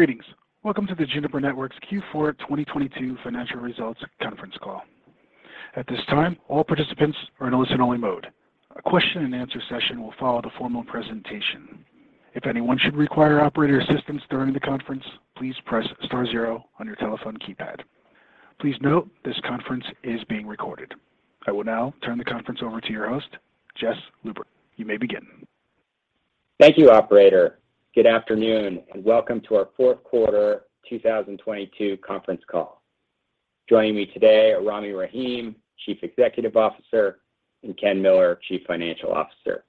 Greetings. Welcome to the Juniper Networks Q4 2022 financial results conference call. At this time, all participants are in a listen-only mode. A question and answer session will follow the formal presentation. If anyone should require operator assistance during the conference, please press star zero on your telephone keypad. Please note this conference is being recorded. I will now turn the conference over to your host, Jess Lubert. You may begin. Thank you, operator. Good afternoon, and welcome to our fourth quarter 2022 conference call. Joining me today are Rami Rahim, Chief Executive Officer, and Ken Miller, Chief Financial Officer.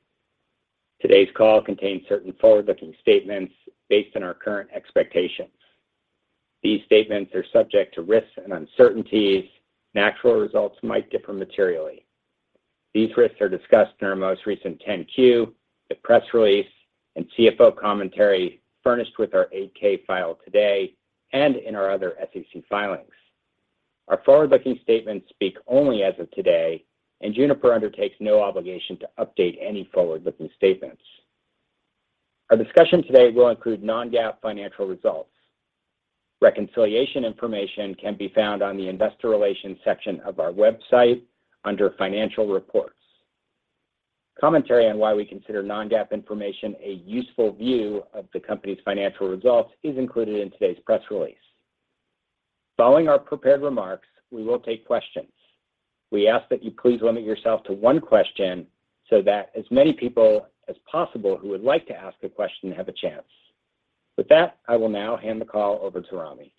Today's call contains certain forward-looking statements based on our current expectations. These statements are subject to risks and uncertainties, and actual results might differ materially. These risks are discussed in our most recent 10-Q, the press release and CFO commentary furnished with our 8-K filed today and in our other SEC filings. Our forward-looking statements speak only as of today. Juniper undertakes no obligation to update any forward-looking statements. Our discussion today will include non-GAAP financial results. Reconciliation information can be found on the investor relations section of our website under financial reports. Commentary on why we consider non-GAAP information a useful view of the company's financial results is included in today's press release. Following our prepared remarks, we will take questions. We ask that you please limit yourself to one question so that as many people as possible who would like to ask a question have a chance. With that, I will now hand the call over to Rami.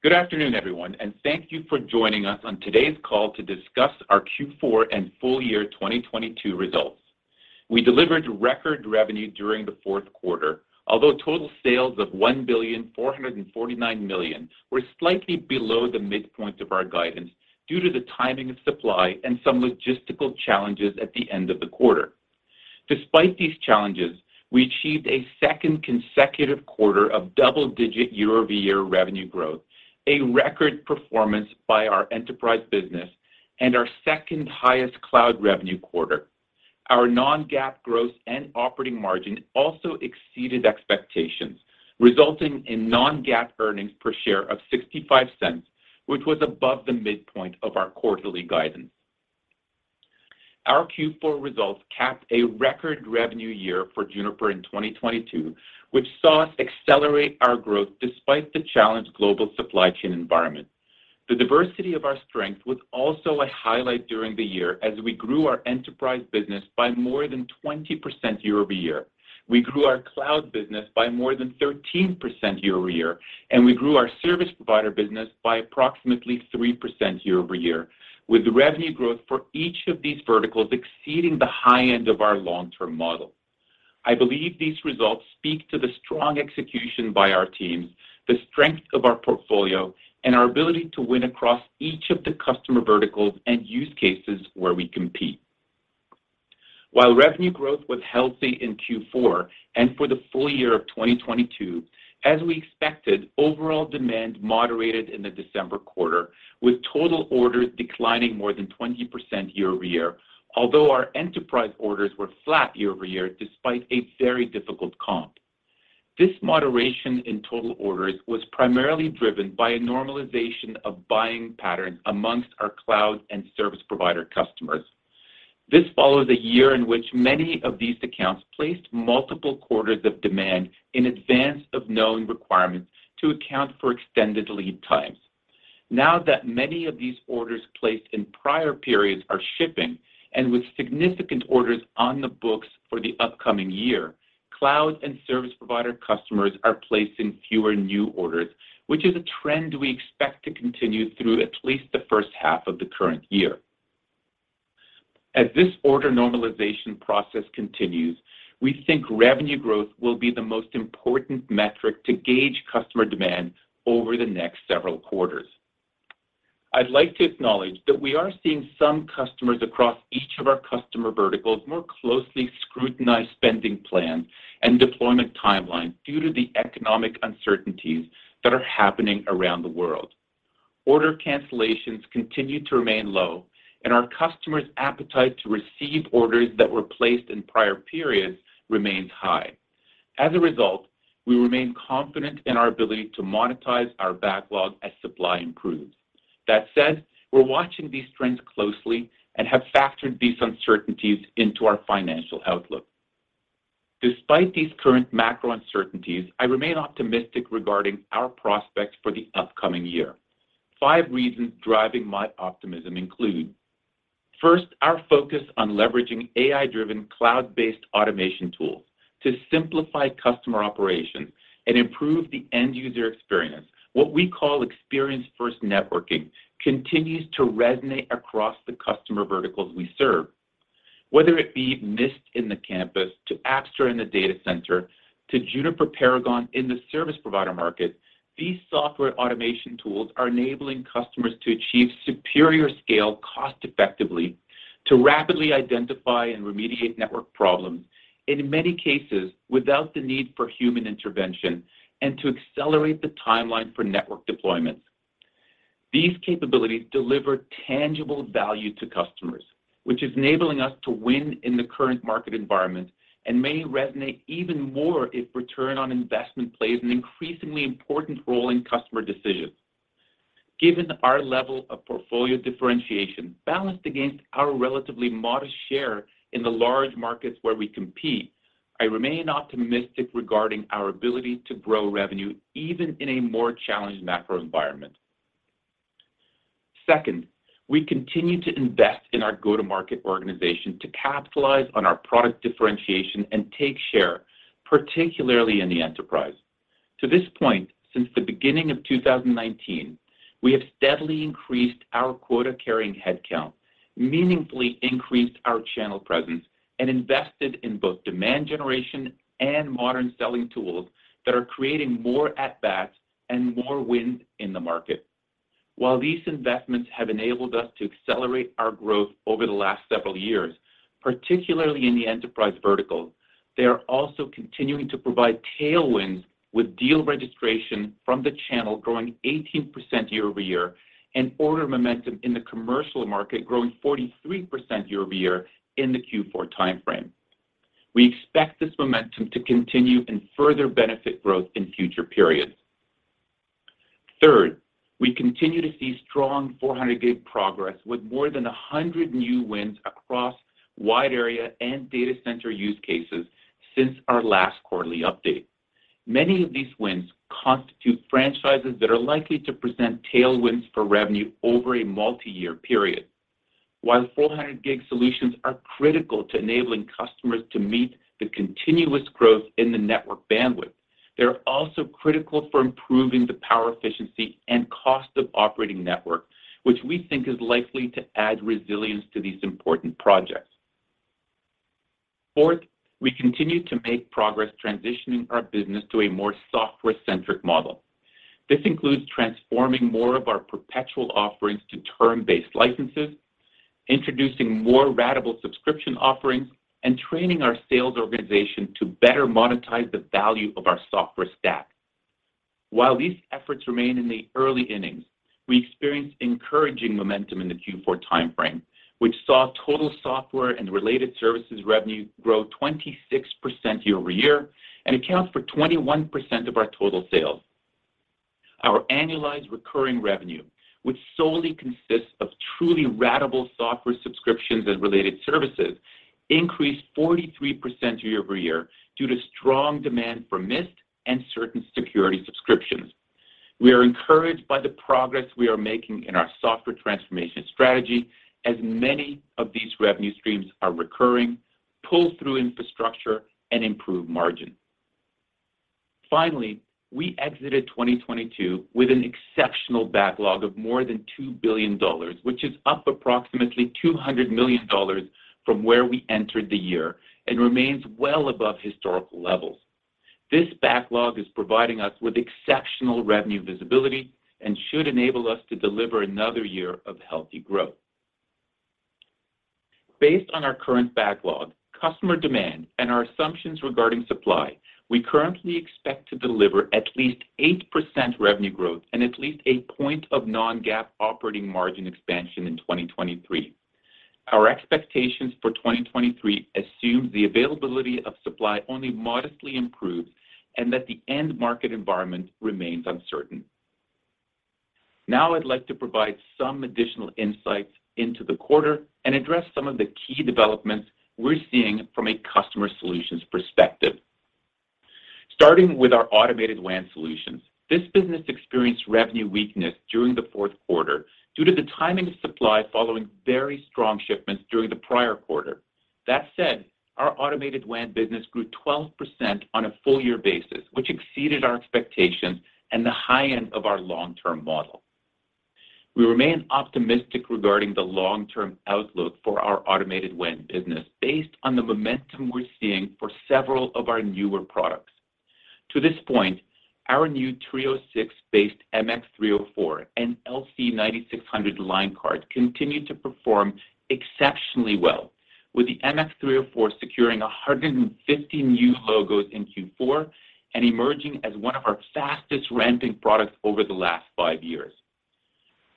Good afternoon, everyone, thank you for joining us on today's call to discuss our Q4 and full year 2022 results. We delivered record revenue during the fourth quarter. Although total sales of $1.449 billion were slightly below the midpoint of our guidance due to the timing of supply and some logistical challenges at the end of the quarter. Despite these challenges, we achieved a second consecutive quarter of double-digit year-over-year revenue growth, a record performance by our enterprise business and our second highest cloud revenue quarter. Our non-GAAP gross and operating margin also exceeded expectations, resulting in non-GAAP earnings per share of $0.65, which was above the midpoint of our quarterly guidance. Our Q4 results capped a record revenue year for Juniper in 2022, which saw us accelerate our growth despite the challenged global supply chain environment. The diversity of our strength was also a highlight during the year as we grew our enterprise business by more than 20% year-over-year. We grew our cloud business by more than 13% year-over-year, and we grew our service provider business by approximately 3% year-over-year. With the revenue growth for each of these verticals exceeding the high end of our long-term model. I believe these results speak to the strong execution by our teams, the strength of our portfolio, and our ability to win across each of the customer verticals and use cases where we compete. While revenue growth was healthy in Q4 and for the full year of 2022, as we expected, overall demand moderated in the December quarter, with total orders declining more than 20% year-over-year. Although our enterprise orders were flat year-over-year despite a very difficult comp. This moderation in total orders was primarily driven by a normalization of buying patterns amongst our cloud and service provider customers. This follows a year in which many of these accounts placed multiple quarters of demand in advance of known requirements to account for extended lead times. Now that many of these orders placed in prior periods are shipping and with significant orders on the books for the upcoming year, cloud and service provider customers are placing fewer new orders, which is a trend we expect to continue through at least the first half of the current year. As this order normalization process continues, we think revenue growth will be the most important metric to gauge customer demand over the next several quarters. I'd like to acknowledge that we are seeing some customers across each of our customer verticals more closely scrutinize spending plans and deployment timelines due to the economic uncertainties that are happening around the world. Order cancellations continue to remain low and our customers appetite to receive orders that were placed in prior periods remains high. We remain confident in our ability to monetize our backlog as supply improves. We're watching these trends closely and have factored these uncertainties into our financial outlook. Despite these current macro uncertainties, I remain optimistic regarding our prospects for the upcoming year. Five reasons driving my optimism include, first, our focus on leveraging AI-driven, cloud-based automation tools to simplify customer operations and improve the end user experience. What we call Experience-First Networking continues to resonate across the customer verticals we serve. Whether it be Mist in the campus, to Apstra in the data center, to Juniper Paragon in the service provider market, these software automation tools are enabling customers to achieve superior scale cost effectively, to rapidly identify and remediate network problems, and in many cases, without the need for human intervention and to accelerate the timeline for network deployments. These capabilities deliver tangible value to customers, which is enabling us to win in the current market environment and may resonate even more if return on investment plays an increasingly important role in customer decisions. Given our level of portfolio differentiation balanced against our relatively modest share in the large markets where we compete, I remain optimistic regarding our ability to grow revenue even in a more challenged macro environment. Second, we continue to invest in our go-to-market organization to capitalize on our product differentiation and take share, particularly in the enterprise. To this point, since the beginning of 2019, we have steadily increased our quota-carrying headcount, meaningfully increased our channel presence, and invested in both demand generation and modern selling tools that are creating more at-bats and more wins in the market. While these investments have enabled us to accelerate our growth over the last several years, particularly in the enterprise verticals, they are also continuing to provide tailwinds with deal registration from the channel growing 18% year-over-year and order momentum in the commercial market growing 43% year-over-year in the Q4 timeframe. We expect this momentum to continue and further benefit growth in future periods. Third, we continue to see strong 400G progress with more than 100 new wins across wide area and data center use cases since our last quarterly update. Many of these wins constitute franchises that are likely to present tailwinds for revenue over a multi-year period. While 400G solutions are critical to enabling customers to meet the continuous growth in the network bandwidth, they are also critical for improving the power efficiency and cost of operating network, which we think is likely to add resilience to these important projects. Fourth, we continue to make progress transitioning our business to a more software-centric model. This includes transforming more of our perpetual offerings to term-based licenses, introducing more ratable subscription offerings, and training our sales organization to better monetize the value of our software stack. While these efforts remain in the early innings, we experienced encouraging momentum in the Q4 timeframe, which saw total software and related services revenue grow 26% year-over-year and account for 21% of our total sales. Our annualized recurring revenue, which solely consists of truly ratable software subscriptions and related services, increased 43% year-over-year due to strong demand for Mist and certain security subscriptions. We are encouraged by the progress we are making in our software transformation strategy as many of these revenue streams are recurring, pull through infrastructure, and improve margin. Finally, we exited 2022 with an exceptional backlog of more than $2 billion, which is up approximately $200 million from where we entered the year and remains well above historical levels. This backlog is providing us with exceptional revenue visibility and should enable us to deliver another year of healthy growth. Based on our current backlog, customer demand, and our assumptions regarding supply, we currently expect to deliver at least 8% revenue growth and at least a point of non-GAAP operating margin expansion in 2023. Our expectations for 2023 assume the availability of supply only modestly improves and that the end market environment remains uncertain. I'd like to provide some additional insights into the quarter and address some of the key developments we're seeing from a customer solutions perspective. Starting with our Automated WAN Solutions, this business experienced revenue weakness during the fourth quarter due to the timing of supply following very strong shipments during the prior quarter. That said, our Automated WAN business grew 12% on a full year basis, which exceeded our expectations and the high end of our long-term model. We remain optimistic regarding the long-term outlook for our Automated WAN business based on the momentum we're seeing for several of our newer products. To this point, our new Trio 6 based MX304 and LC9600 line card continued to perform exceptionally well with the MX304 securing 150 new logos in Q4 and emerging as one of our fastest ramping products over the last five years.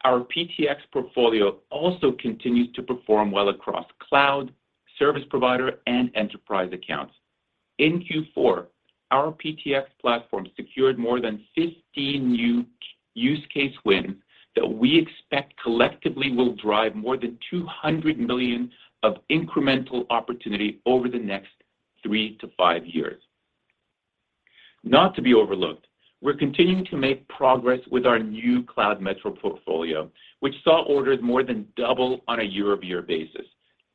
Our PTX portfolio also continues to perform well across cloud, service provider, and enterprise accounts. In Q4, our PTX platform secured more than 15 new use case wins that we expect collectively will drive more than $200 million of incremental opportunity over the next three-five years. Not to be overlooked, we're continuing to make progress with our new Cloud Metro portfolio, which saw orders more than double on a year-over-year basis.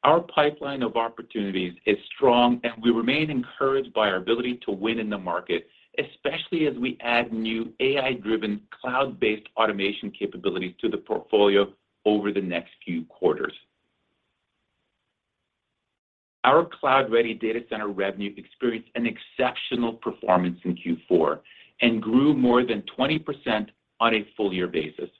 Our pipeline of opportunities is strong, and we remain encouraged by our ability to win in the market, especially as we add new AI-Driven cloud-based automation capabilities to the portfolio over the next few quarters. Our Cloud-Ready Data Center revenue experienced an exceptional performance in Q4 and grew more than 20% on a full year basis.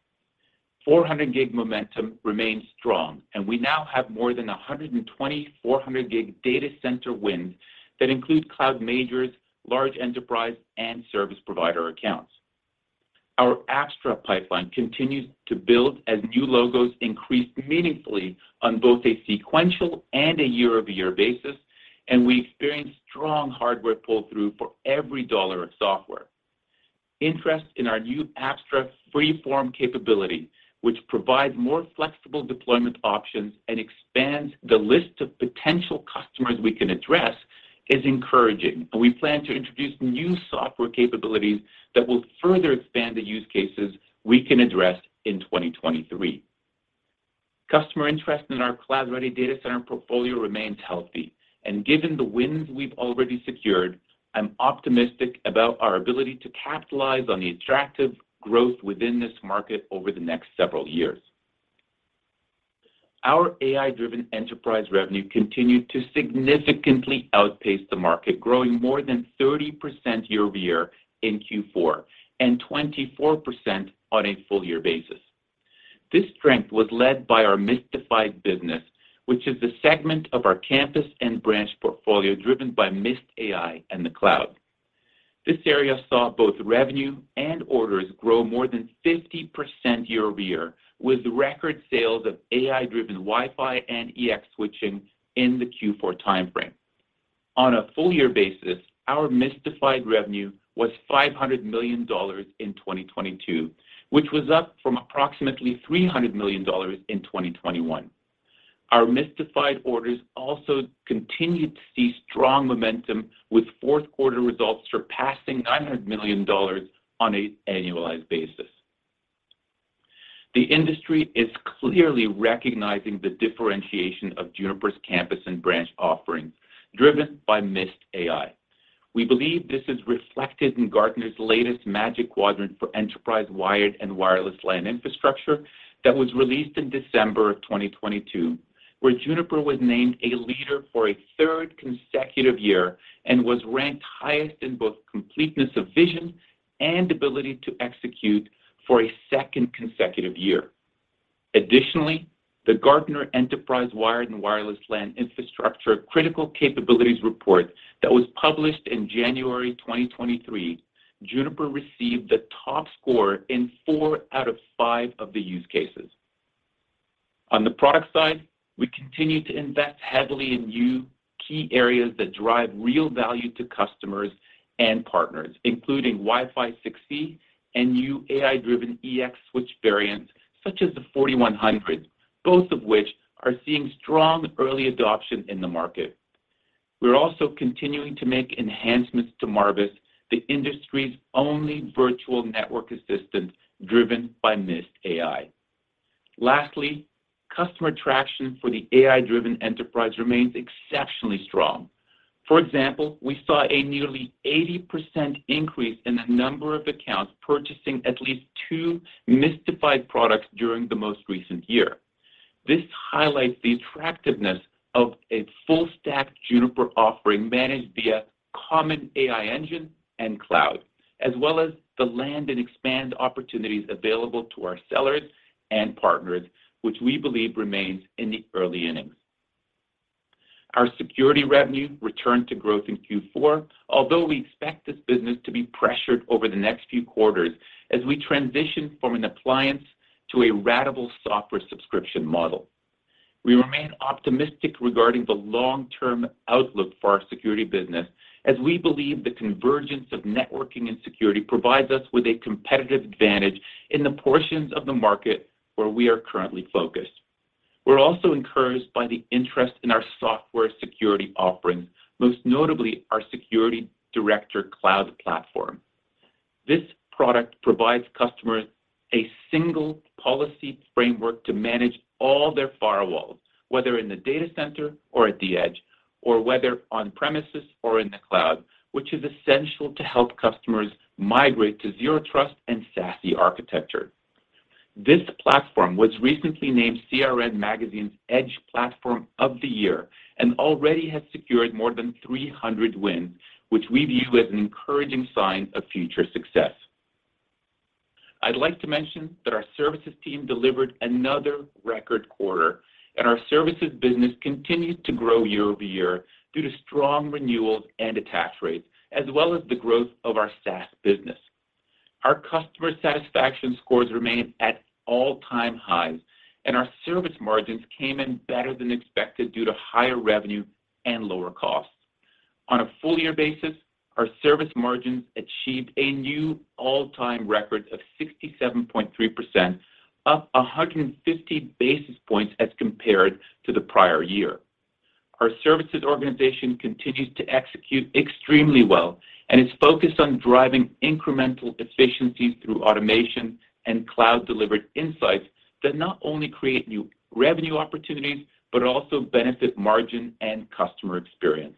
400G momentum remains strong, and we now have more than 120 400G data center wins that include cloud majors, large enterprise, and service provider accounts. Our Apstra pipeline continues to build as new logos increase meaningfully on both a sequential and a year-over-year basis, and we experienced strong hardware pull-through for every dollar of software. Interest in our new Apstra Freeform capability, which provides more flexible deployment options and expands the list of potential customers we can address, is encouraging. We plan to introduce new software capabilities that will further expand the use cases we can address in 2023. Customer interest in our Cloud-Ready Data Center portfolio remains healthy. Given the wins we've already secured, I'm optimistic about our ability to capitalize on the attractive growth within this market over the next several years. Our AI-Driven Enterprise revenue continued to significantly outpace the market, growing more than 30% year-over-year in Q4 and 24% on a full year basis. This strength was led by our Mistified business, which is the segment of our campus and branch portfolio driven by Mist AI and the cloud. This area saw both revenue and orders grow more than 50% year-over-year, with record sales of AI-driven Wi-Fi and EX switching in the Q4 time frame. On a full year basis, our Mistified revenue was $500 million in 2022, which was up from approximately $300 million in 2021. Our Mistified orders also continued to see strong momentum with fourth quarter results surpassing $900 million on an annualized basis. The industry is clearly recognizing the differentiation of Juniper's campus and branch offerings driven by Mist AI. We believe this is reflected in Gartner's latest Magic Quadrant for Enterprise Wired and Wireless LAN Infrastructure that was released in December of 2022, where Juniper was named a leader for a third consecutive year and was ranked highest in both completeness of vision and ability to execute for a second consecutive year. Additionally, the Gartner Enterprise Wired and Wireless LAN Infrastructure Critical Capabilities report that was published in January 2023, Juniper received the top score in four out of five of the use cases. On the product side, we continue to invest heavily in new key areas that drive real value to customers and partners, including Wi-Fi 6E and new AI-driven EX switch variants such as the 4100, both of which are seeing strong early adoption in the market. We're also continuing to make enhancements to Marvis, the industry's only virtual network assistant driven by Mist AI. Lastly, customer traction for the AI-Driven Enterprise remains exceptionally strong. For example, we saw a nearly 80% increase in the number of accounts purchasing at least two Mistified products during the most recent year. This highlights the attractiveness of a full stack Juniper offering managed via common AI engine and cloud, as well as the land and expand opportunities available to our sellers and partners, which we believe remains in the early innings. Our security revenue returned to growth in Q4, although we expect this business to be pressured over the next few quarters as we transition from an appliance to a ratable software subscription model. We remain optimistic regarding the long-term outlook for our security business as we believe the convergence of networking and security provides us with a competitive advantage in the portions of the market where we are currently focused. We're also encouraged by the interest in our software security offerings, most notably our Security Director Cloud platform. This product provides customers a single policy framework to manage all their firewalls, whether in the data center or at the edge or whether on premises or in the cloud, which is essential to help customers migrate to Zero Trust and SASE architecture. This platform was recently named CRN Magazine's Edge Platform of the Year and already has secured more than 300 wins, which we view as an encouraging sign of future success. I'd like to mention that our services team delivered another record quarter and our services business continued to grow year-over-year due to strong renewals and attach rates, as well as the growth of our SaaS business. Our customer satisfaction scores remain at all-time highs, and our service margins came in better than expected due to higher revenue and lower costs. On a full year basis, our service margins achieved a new all-time record of 67.3%, up 150 basis points as compared to the prior year. Our services organization continues to execute extremely well and is focused on driving incremental efficiencies through automation and cloud-delivered insights that not only create new revenue opportunities but also benefit margin and customer experience.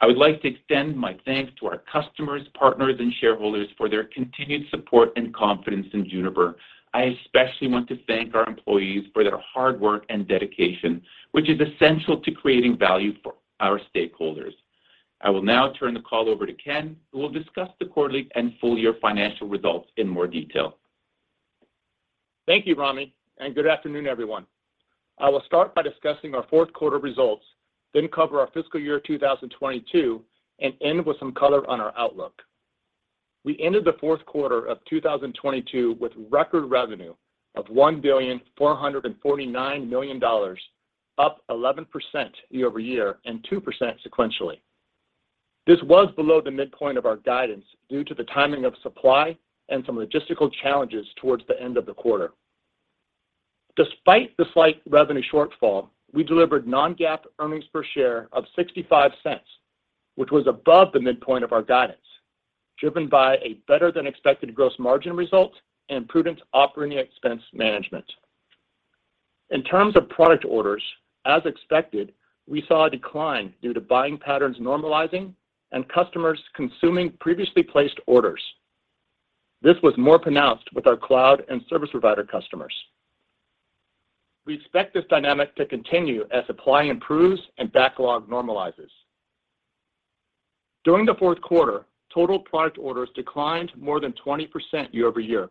I would like to extend my thanks to our customers, partners, and shareholders for their continued support and confidence in Juniper. I especially want to thank our employees for their hard work and dedication, which is essential to creating value for our stakeholders. I will now turn the call over to Ken, who will discuss the quarterly and full year financial results in more detail. Thank you, Rami. Good afternoon, everyone. I will start by discussing our fourth quarter results, then cover our fiscal year 2022, and end with some color on our outlook. We ended the fourth quarter of 2022 with record revenue of $1.449 billion, up 11% year-over-year and 2% sequentially. This was below the midpoint of our guidance due to the timing of supply and some logistical challenges towards the end of the quarter. Despite the slight revenue shortfall, we delivered non-GAAP earnings per share of $0.65, which was above the midpoint of our guidance, driven by a better than expected gross margin result and prudent operating expense management. In terms of product orders, as expected, we saw a decline due to buying patterns normalizing and customers consuming previously placed orders. This was more pronounced with our cloud and service provider customers. We expect this dynamic to continue as supply improves and backlog normalizes. During the fourth quarter, total product orders declined more than 20% year-over-year.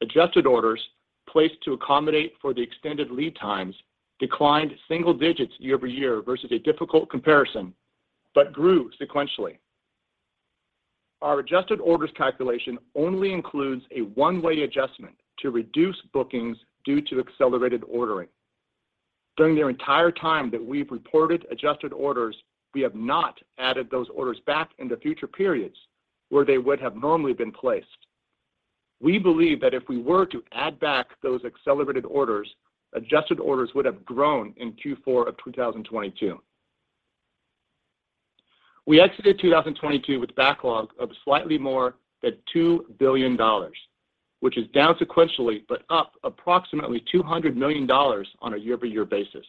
Adjusted orders placed to accommodate for the extended lead times declined single digits year-over-year versus a difficult comparison, but grew sequentially. Our adjusted orders calculation only includes a one-way adjustment to reduce bookings due to accelerated ordering. During the entire time that we've reported adjusted orders, we have not added those orders back into future periods where they would have normally been placed. We believe that if we were to add back those accelerated orders, adjusted orders would have grown in Q4 of 2022. We exited 2022 with backlog of slightly more than $2 billion, which is down sequentially, but up approximately $200 million on a year-over-year basis.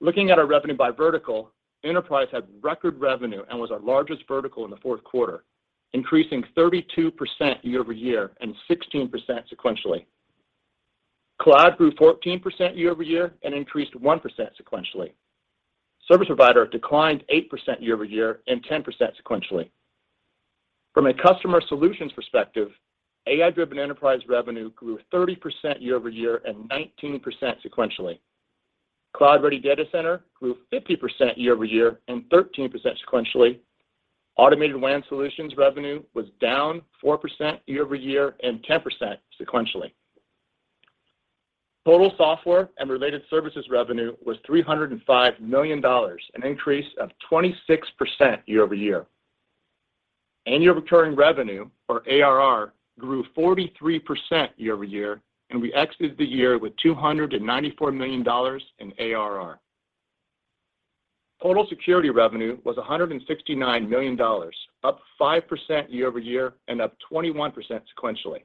Looking at our revenue by vertical, enterprise had record revenue and was our largest vertical in the fourth quarter, increasing 32% year-over-year and 16% sequentially. Cloud grew 14% year-over-year and increased 1% sequentially. Service provider declined 8% year-over-year and 10% sequentially. From a customer solutions perspective, AI-Driven Enterprise revenue grew 30% year-over-year and 19% sequentially. Cloud-Ready Data Center grew 50% year-over-year and 13% sequentially. Automated WAN Solutions revenue was down 4% year-over-year and 10% sequentially. Total software and related services revenue was $305 million, an increase of 26% year-over-year. Annual Recurring Revenue, or ARR, grew 43% year-over-year. We exited the year with $294 million in ARR. Total security revenue was $169 million, up 5% year-over-year and up 21% sequentially.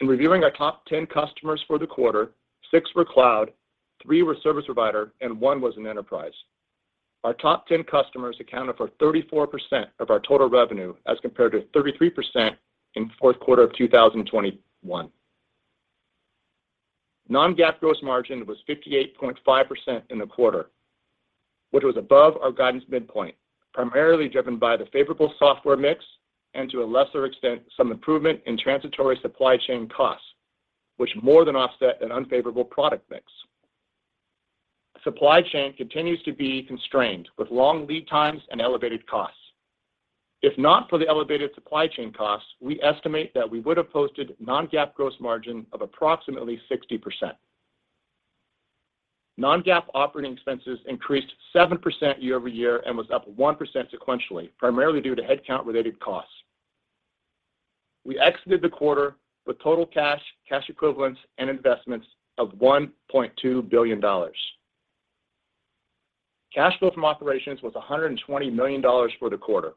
In reviewing our top 10 customers for the quarter, six were cloud, three were service provider, and one was an enterprise. Our top 10 customers accounted for 34% of our total revenue as compared to 33% in fourth quarter of 2021. non-GAAP gross margin was 58.5% in the quarter, which was above our guidance midpoint, primarily driven by the favorable software mix and to a lesser extent, some improvement in transitory supply chain costs, which more than offset an unfavorable product mix. Supply chain continues to be constrained with long lead times and elevated costs. If not for the elevated supply chain costs, we estimate that we would have posted non-GAAP gross margin of approximately 60%. Non-GAAP operating expenses increased 7% year-over-year and was up 1% sequentially, primarily due to headcount-related costs. We exited the quarter with total cash equivalents and investments of $1.2 billion. Cash flow from operations was $120 million for the quarter.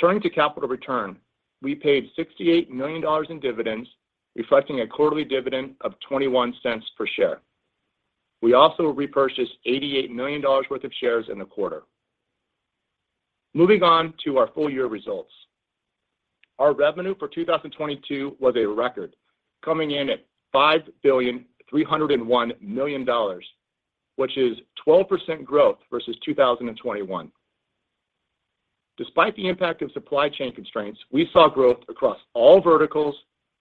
Turning to capital return, we paid $68 million in dividends, reflecting a quarterly dividend of $0.21 per share. We also repurchased $88 million worth of shares in the quarter. Moving on to our full year results. Our revenue for 2022 was a record, coming in at $5.301 billion, which is 12% growth versus 2021. Despite the impact of supply chain constraints, we saw growth across all verticals,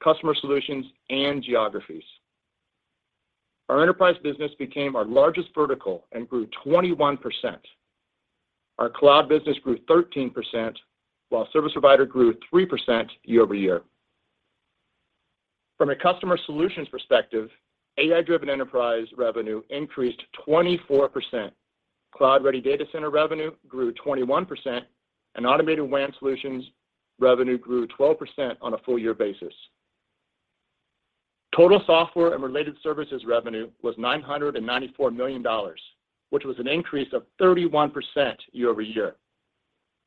customer solutions, and geographies. Our enterprise business became our largest vertical and grew 21%. Our cloud business grew 13%, while service provider grew 3% year-over-year. From a customer solutions perspective, AI-Driven Enterprise revenue increased 24%. Cloud-Ready Data Center revenue grew 21%, and Automated WAN Solutions revenue grew 12% on a full year basis. Total software and related services revenue was $994 million, which was an increase of 31% year-over-year.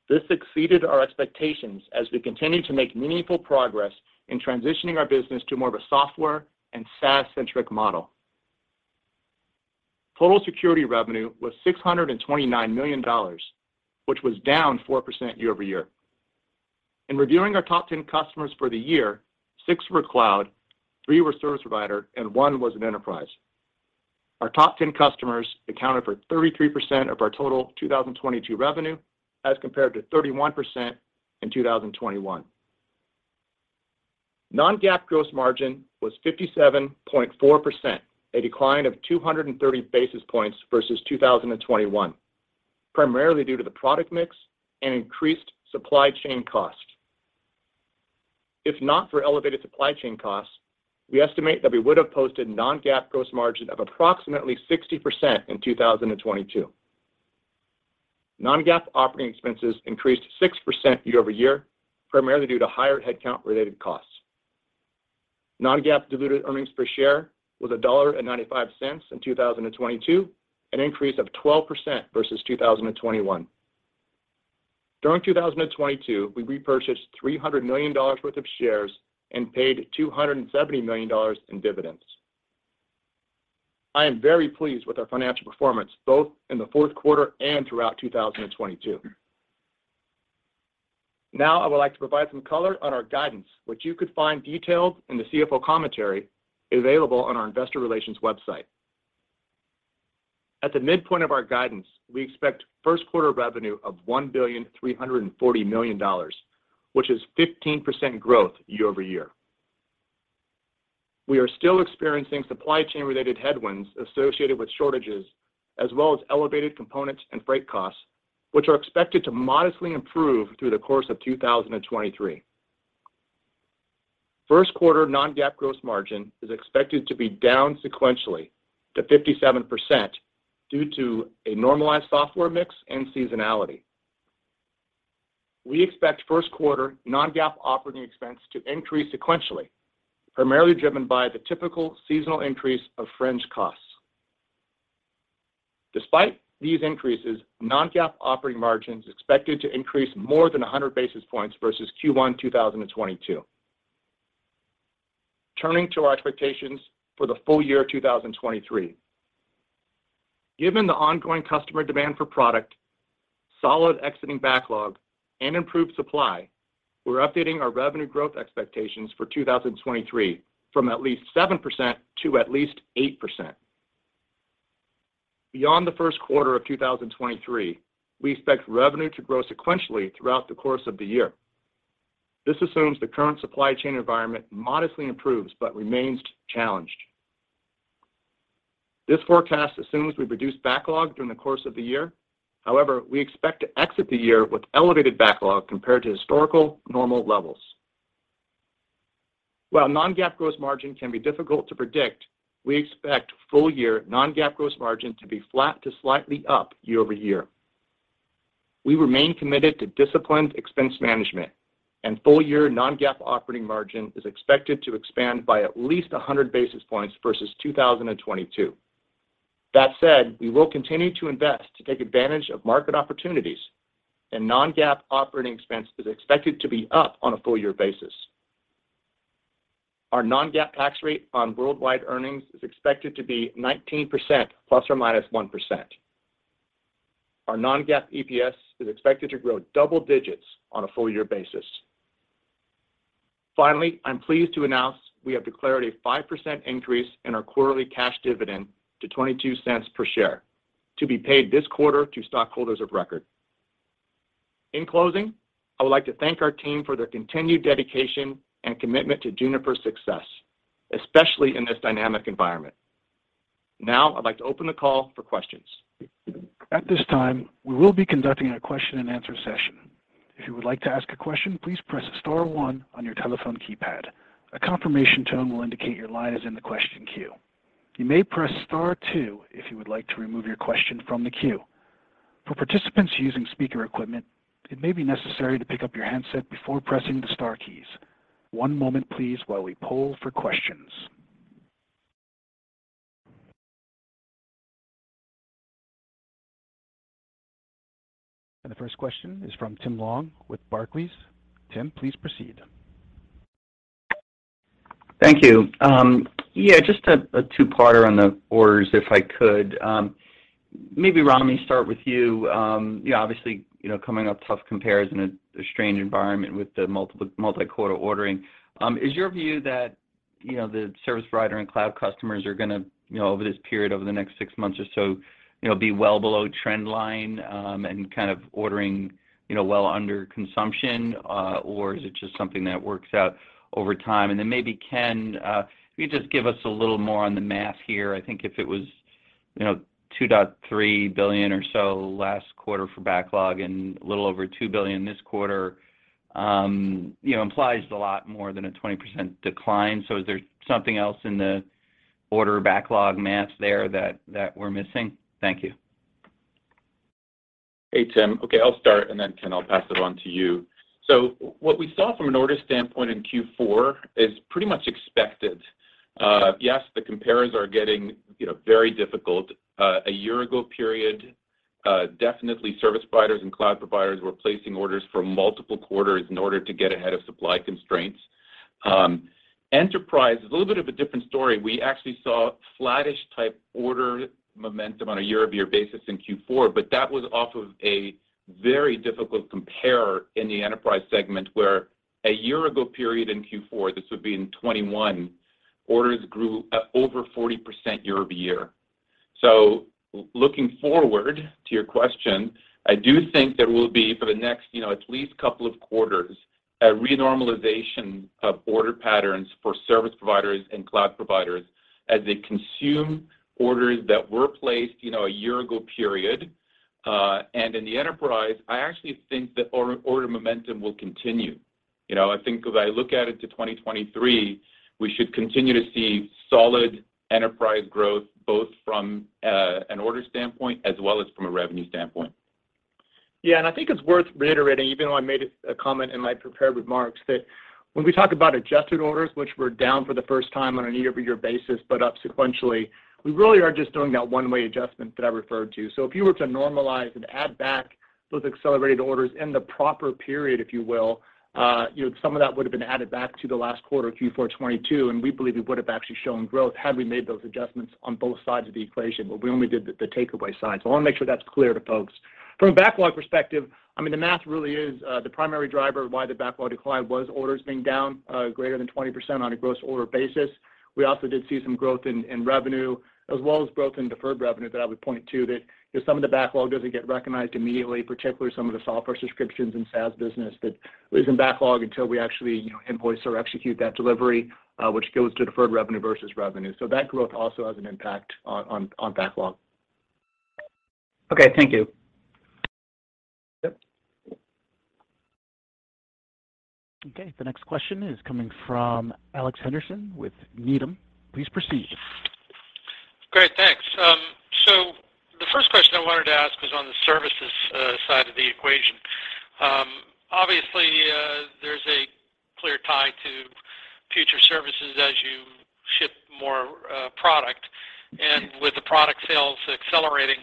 This exceeded our expectations as we continue to make meaningful progress in transitioning our business to more of a software and SaaS-centric model. Total security revenue was $629 million, which was down 4% year-over-year. In reviewing our top 10 customers for the year, six were cloud, three were service provider, and one was an enterprise. Our top 10 customers accounted for 33% of our total 2022 revenue, as compared to 31% in 2021. Non-GAAP gross margin was 57.4%, a decline of 230 basis points versus 2021, primarily due to the product mix and increased supply chain costs. If not for elevated supply chain costs, we estimate that we would have posted non-GAAP gross margin of approximately 60% in 2022. Non-GAAP operating expenses increased 6% year-over-year, primarily due to higher headcount related costs. Non-GAAP diluted earnings per share was $1.95 in 2022, an increase of 12% versus 2021. During 2022, we repurchased $300 million worth of shares and paid $270 million in dividends. I am very pleased with our financial performance, both in the fourth quarter and throughout 2022. I would like to provide some color on our guidance, which you could find detailed in the CFO commentary available on our investor relations website. At the midpoint of our guidance, we expect first quarter revenue of $1.34 billion, which is 15% growth year-over-year. We are still experiencing supply chain-related headwinds associated with shortages, as well as elevated components and freight costs, which are expected to modestly improve through the course of 2023. First quarter non-GAAP gross margin is expected to be down sequentially to 57% due to a normalized software mix and seasonality. We expect first quarter non-GAAP operating expense to increase sequentially, primarily driven by the typical seasonal increase of fringe costs. Despite these increases, non-GAAP operating margin is expected to increase more than 100 basis points versus Q1 2022. Turning to our expectations for the full year 2023. Given the ongoing customer demand for product, solid exiting backlog, and improved supply, we're updating our revenue growth expectations for 2023 from at least 7% to at least 8%. Beyond the first quarter of 2023, we expect revenue to grow sequentially throughout the course of the year. This assumes the current supply chain environment modestly improves but remains challenged. This forecast assumes we reduce backlog during the course of the year. We expect to exit the year with elevated backlog compared to historical normal levels. While non-GAAP gross margin can be difficult to predict, we expect full year non-GAAP gross margin to be flat to slightly up year-over-year. We remain committed to disciplined expense management and full year non-GAAP operating margin is expected to expand by at least 100 basis points versus 2022. That said, we will continue to invest to take advantage of market opportunities and non-GAAP operating expense is expected to be up on a full year basis. Our non-GAAP tax rate on worldwide earnings is expected to be 19% ±1%. Our non-GAAP EPS is expected to grow double digits on a full year basis. Finally, I'm pleased to announce we have declared a 5% increase in our quarterly cash dividend to $0.22 per share to be paid this quarter to stockholders of record. In closing, I would like to thank our team for their continued dedication and commitment to Juniper's success, especially in this dynamic environment. Now I'd like to open the call for questions. At this time, we will be conducting a question and answer session. If you would like to ask a question, please press star one on your telephone keypad. A confirmation tone will indicate your line is in the question queue. You may press star two if you would like to remove your question from the queue. For participants using speaker equipment, it may be necessary to pick up your handset before pressing the star keys. One moment please while we poll for questions. The first question is from Tim Long with Barclays. Tim, please proceed. Thank you. Yeah, just a two-parter on the orders, if I could. Maybe Ram, let me start with you. You know, obviously, you know, coming off tough compares in a strange environment with the multi-quarter ordering, is your view that, you know, the service provider and cloud customers are gonna, you know, over this period, over the next 6 months or so, you know, be well below trend line, and kind of ordering, you know, well under consumption, or is it just something that works out over time? Then maybe Ken, can you just give us a little more on the math here? I think if it was, you know, $2.3 billion or so last quarter for backlog and a little over $2 billion this quarter, you know, implies a lot more than a 20% decline. Is there something else in the order backlog math there that we're missing? Thank you. Hey, Tim. Okay, I'll start, and then Ken, I'll pass it on to you. What we saw from an order standpoint in Q4 is pretty much expected. Yes, the compares are getting, you know, very difficult. A year ago period, definitely service providers and cloud providers were placing orders for multiple quarters in order to get ahead of supply constraints. Enterprise is a little bit of a different story. We actually saw flattish type ordering. Momentum on a year-over-year basis in Q4, but that was off of a very difficult compare in the enterprise segment, where a year ago period in Q4, this would be in 2021, orders grew at over 40% year over year. Looking forward to your question, I do think there will be for the next, you know, at least couple of quarters, a renormalization of order patterns for service providers and cloud providers as they consume orders that were placed, you know, a year ago period. In the enterprise, I actually think that order momentum will continue. You know, I think as I look at it to 2023, we should continue to see solid enterprise growth, both from an order standpoint as well as from a revenue standpoint. Yeah, I think it's worth reiterating, even though I made a comment in my prepared remarks, that when we talk about adjusted orders, which were down for the first time on a year-over-year basis but up sequentially, we really are just doing that one-way adjustment that I referred to. If you were to normalize and add back those accelerated orders in the proper period, if you will, you know, some of that would have been added back to the last quarter Q4 '22, and we believe it would have actually shown growth had we made those adjustments on both sides of the equation. We only did the takeaway side. I want to make sure that's clear to folks. From a backlog perspective, I mean, the math really is the primary driver why the backlog decline was orders being down greater than 20% on a gross order basis. We also did see some growth in revenue as well as growth in deferred revenue that I would point to that, you know, some of the backlog doesn't get recognized immediately, particularly some of the software subscriptions and SaaS business that lives in backlog until we actually, you know, invoice or execute that delivery, which goes to deferred revenue versus revenue. That growth also has an impact on backlog. Okay. Thank you. Yep. Okay. The next question is coming from Alex Henderson with Needham. Please proceed. Great. Thanks. The first question I wanted to ask is on the services side of the equation. Obviously, there's a clear tie to future services as you ship more product. With the product sales accelerating,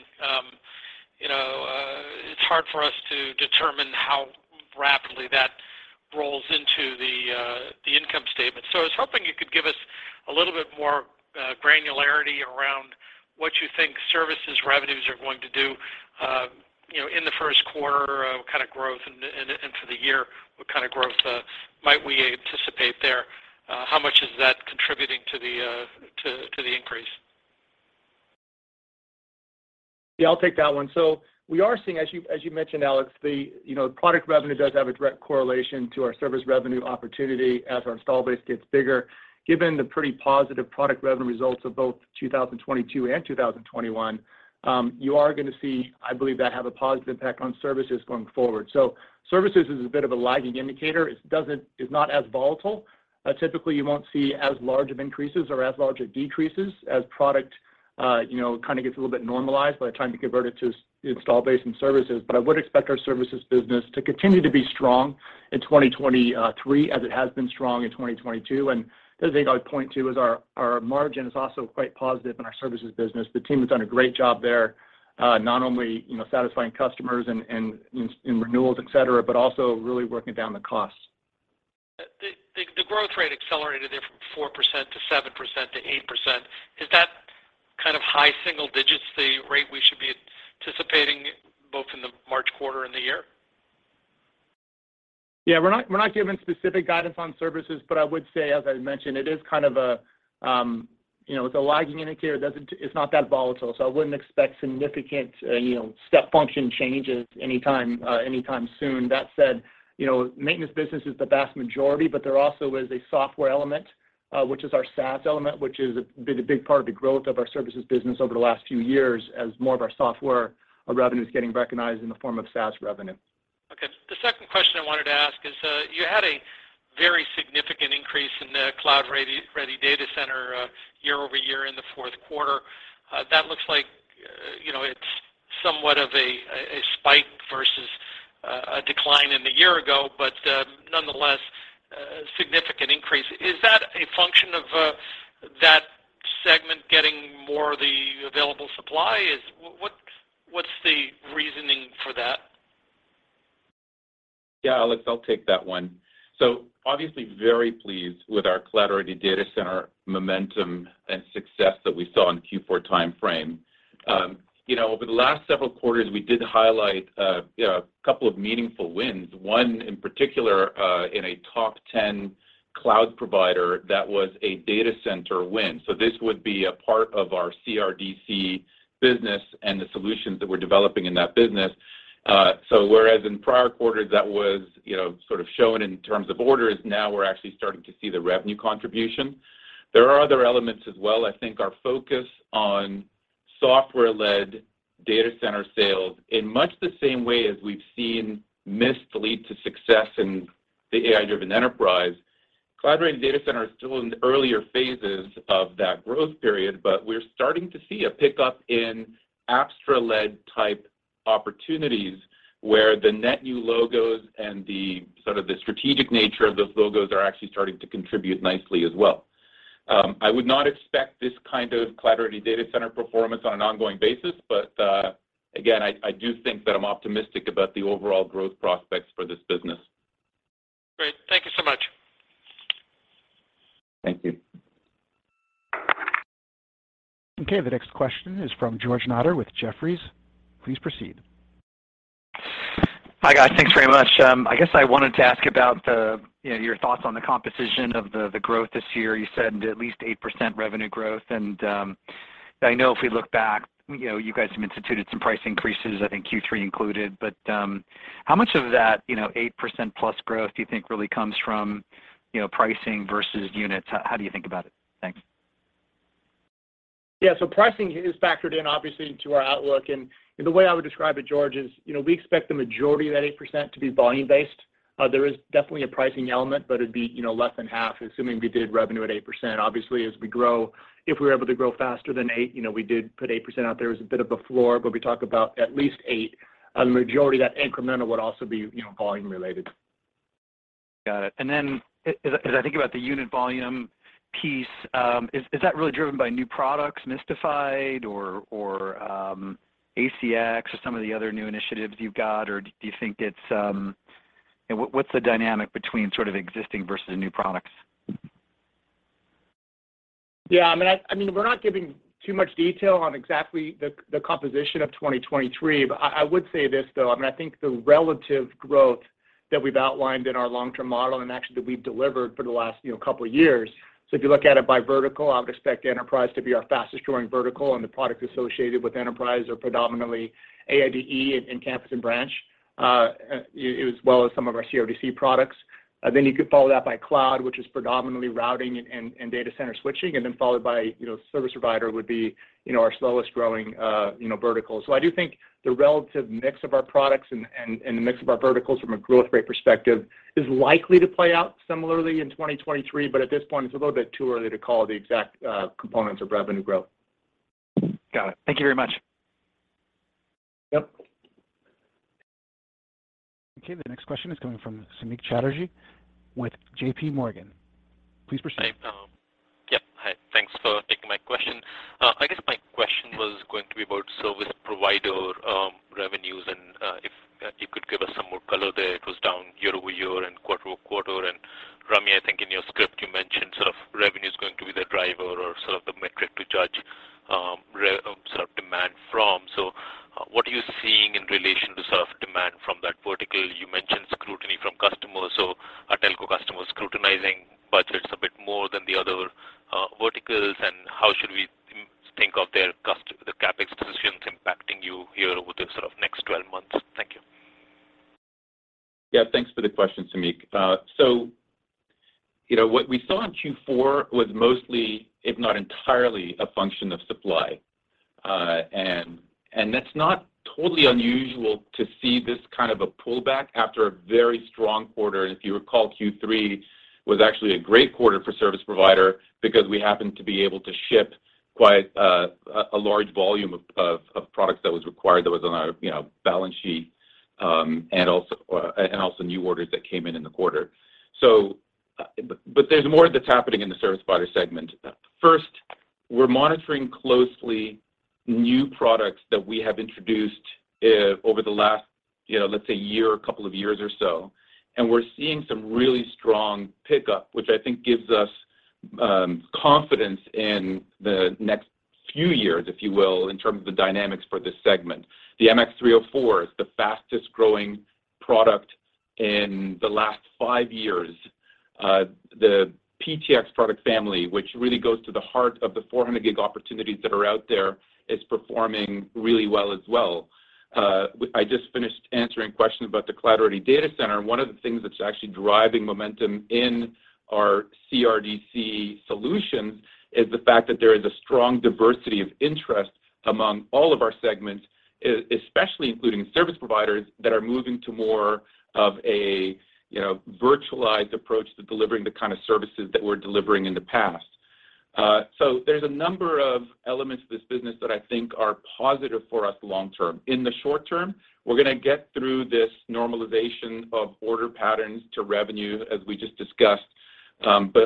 you know, it's hard for us to determine how rapidly that rolls into the income statement. I was hoping you could give us a little bit more granularity around what you think services revenues are going to do, you know, in the first quarter, what kind of growth and for the year, what kind of growth might we anticipate there? How much is that contributing to the increase? Yeah, I'll take that one. We are seeing as you, as you mentioned, Alex, the, you know, product revenue does have a direct correlation to our service revenue opportunity as our install base gets bigger. Given the pretty positive product revenue results of both 2022 and 2021, you are gonna see, I believe, that have a positive impact on services going forward. Services is a bit of a lagging indicator. It is not as volatile. Typically, you won't see as large of increases or as large of decreases as product, you know, kind of gets a little bit normalized by the time you convert it to install base and services. I would expect our services business to continue to be strong in 2023, as it has been strong in 2022. The other thing I would point to is our margin is also quite positive in our services business. The team has done a great job there, not only, you know, satisfying customers and in renewals, et cetera, but also really working down the costs. The growth rate accelerated there from 4% to 7% to 8%. Is that kind of high single digits the rate we should be anticipating both in the March quarter and the year? We're not, we're not giving specific guidance on services, but I would say, as I mentioned, it is kind of a, you know, it's a lagging indicator. It's not that volatile, so I wouldn't expect significant, you know, step function changes anytime soon. That said, you know, maintenance business is the vast majority, but there also is a software element, which is our SaaS element, which is a, been a big part of the growth of our services business over the last few years as more of our software revenue is getting recognized in the form of SaaS revenue. Okay. The second question I wanted to ask is, you had a very significant increase in the Cloud-Ready Data Center year-over-year in the fourth quarter. That looks like, you know, it's somewhat of a spike versus a decline in the year ago, but nonetheless, a significant increase. Is that a function of that segment getting more of the available supply? What's the reasoning for that? Yeah, Alex, I'll take that one. Obviously very pleased with our Cloud-Ready Data Center momentum and success that we saw in the Q4 timeframe. You know, over the last several quarters, we did highlight, you know, a couple of meaningful wins, one in particular, in a top 10 cloud provider that was a data center win. This would be a part of our CRDC business and the solutions that we're developing in that business. Whereas in prior quarters, that was, you know, sort of shown in terms of orders, now we're actually starting to see the revenue contribution. There are other elements as well. I think our focus on software-led data center sales, in much the same way as we've seen Mist lead to success in the AI-Driven Enterprise, Cloud-Ready Data Center is still in the earlier phases of that growth period, but we're starting to see a pickup in Apstra-led type opportunities where the net new logos and the sort of the strategic nature of those logos are actually starting to contribute nicely as well. I would not expect this kind of Cloud-Ready Data Center performance on an ongoing basis, but again, I do think that I'm optimistic about the overall growth prospects for this business. Great. Thank you so much. Thank you. Okay. The next question is from George Notter with Jefferies. Please proceed. Hi, guys. Thanks very much. I guess I wanted to ask about the, you know, your thoughts on the composition of the growth this year. You said at least 8% revenue growth, and I know if we look back, you know, you guys have instituted some price increases, I think Q3 included. How much of that, you know, 8%+ growth do you think really comes from, you know, pricing versus units? How do you think about it? Thanks. Yeah. Pricing is factored in obviously into our outlook. The way I would describe it, George, is, you know, we expect the majority of that 8% to be volume-based. There is definitely a pricing element, but it'd be, you know, less than half, assuming we did revenue at 8%. Obviously, if we're able to grow faster than 8, you know, we did put 8% out there as a bit of a floor, but we talk about at least 8. A majority of that incremental would also be, you know, volume related. Got it. Then as I think about the unit volume piece, is that really driven by new products, Mistified or ACX or some of the other new initiatives you've got? What's the dynamic between sort of existing versus new products? Yeah. I mean, we're not giving too much detail on exactly the composition of 2023. I would say this, though, I mean, I think the relative growth that we've outlined in our long-term model and actually that we've delivered for the last, you know, two years. If you look at it by vertical, I would expect enterprise to be our fastest growing vertical, and the products associated with enterprise are predominantly AIDE in campus and branch, as well as some of our CRDC products. You could follow that by cloud, which is predominantly routing and data center switching, and then followed by, you know, service provider would be, you know, our slowest growing vertical. I do think the relative mix of our products and the mix of our verticals from a growth rate perspective is likely to play out similarly in 2023, but at this point, it's a little bit too early to call the exact components of revenue growth. Got it. Thank you very much. Yep. Okay. The next question is coming from Samik Chatterjee with JPMorgan. Please proceed. Hi. Hi. Thanks for taking my question. I guess my question was going to be about service provider revenues and if you could give us some more color there. It was down year-over-year and quarter-over-quarter. Rami, I think in your script, you mentioned sort of revenue is going to be the driver or sort of the metric to judge sort of demand from. What are you seeing in relation to sort of demand from that vertical? You mentioned scrutiny from customers, are telco customers scrutinizing budgets a bit more than the other verticals? How should we think of their CapEx decisions impacting you year over the sort of next 12 months? Thank you. Thanks for the question, Samik. You know, what we saw in Q4 was mostly, if not entirely, a function of supply. That's not totally unusual to see this kind of a pullback after a very strong quarter. If you recall, Q3 was actually a great quarter for service provider because we happened to be able to ship quite a large volume of products that was required that was on our, you know, balance sheet, and also new orders that came in in the quarter. But there's more that's happening in the service provider segment. First, we're monitoring closely new products that we have introduced, over the last, you know, let's say a year, a couple of years or so. We're seeing some really strong pickup, which I think gives us confidence in the next few years, if you will, in terms of the dynamics for this segment. The MX304 is the fastest-growing product in the last 5 years. The PTX product family, which really goes to the heart of the 400G opportunities that are out there, is performing really well as well. I just finished answering questions about the Cloud-Ready Data Center. One of the things that's actually driving momentum in our CRDC solutions is the fact that there is a strong diversity of interest among all of our segments, especially including service providers that are moving to more of a, you know, virtualized approach to delivering the kind of services that we're delivering in the past. There's a number of elements of this business that I think are positive for us long term. In the short term, we're going to get through this normalization of order patterns to revenue, as we just discussed.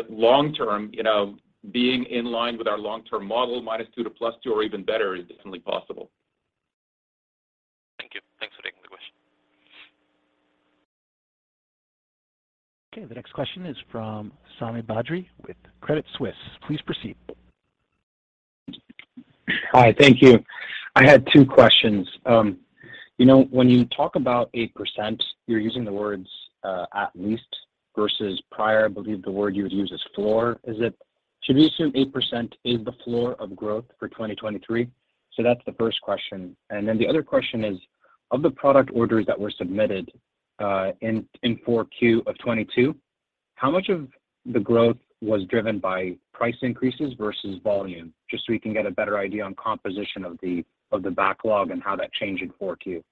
Long term, you know, being in line with our long-term model, -2% to +2% or even better is definitely possible. Thank you. Thanks for taking the question. Okay. The next question is from Sami Badri with Credit Suisse. Please proceed. Hi. Thank you. I had two questions. you know, when you talk about 8%, you're using the words, at least versus prior, I believe the word you would use is floor. Should we assume 8% is the floor of growth for 2023? That's the first question. The other question is, of the product orders that were submitted, in four Q of 2022, how much of the growth was driven by price increases versus volume, just so we can get a better idea on composition of the, of the backlog and how that changed in four Q?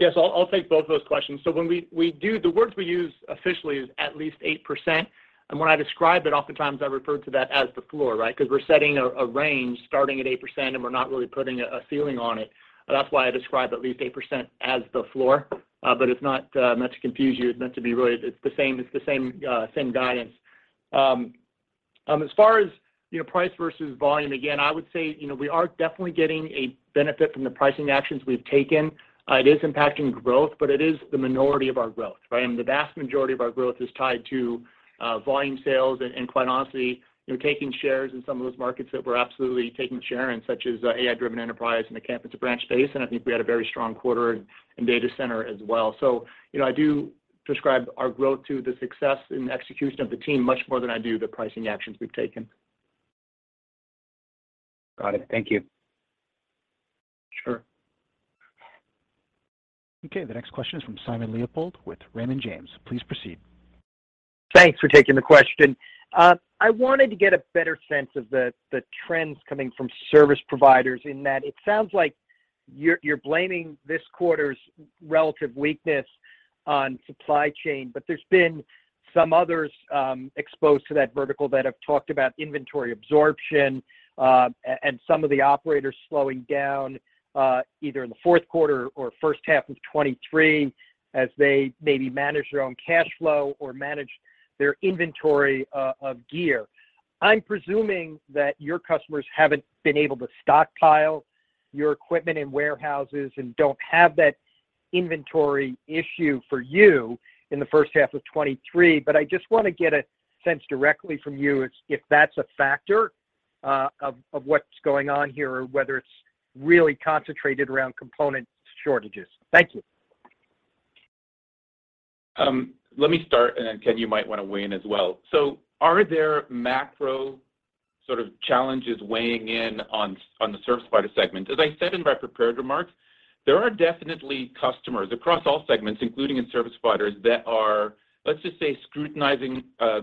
Yes, I'll take both of those questions. When we, the words we use officially is at least 8%. When I describe it, oftentimes I refer to that as the floor, right? Because we're setting a range starting at 8%, and we're not really putting a ceiling on it. That's why I describe at least 8% as the floor. It's not meant to confuse you. It's meant to be. It's the same guidance. As far as, you know, price versus volume, again, I would say, you know, we are definitely getting a benefit from the pricing actions we've taken. It is impacting growth, but it is the minority of our growth, right? The vast majority of our growth is tied to volume sales and quite honestly, you know, taking shares in some of those markets that we're absolutely taking share in, such as AI-Driven Enterprise in the campus or branch space, and I think we had a very strong quarter in data center as well. You know, I do prescribe our growth to the success and execution of the team much more than I do the pricing actions we've taken. Got it. Thank you. Sure. Okay. The next question is from Simon Leopold with Raymond James. Please proceed. Thanks for taking the question. I wanted to get a better sense of the trends coming from service providers in that it sounds like you're blaming this quarter's relative weakness on supply chain. There's been some others exposed to that vertical that have talked about inventory absorption and some of the operators slowing down either in the fourth quarter or first half of 2023 as they maybe manage their own cash flow or manage their inventory of gear. I'm presuming that your customers haven't been able to stockpile your equipment in warehouses and don't have that inventory issue for you in the first half of 2023, I just wanna get a sense directly from you if that's a factor of what's going on here or whether it's really concentrated around component shortages. Thank you. Let me start, and then Ken, you might wanna weigh in as well. Are there macro sort of challenges weighing in on the service provider segment? As I said in my prepared remarks, there are definitely customers across all segments, including in service providers, that are, let's just say, scrutinizing our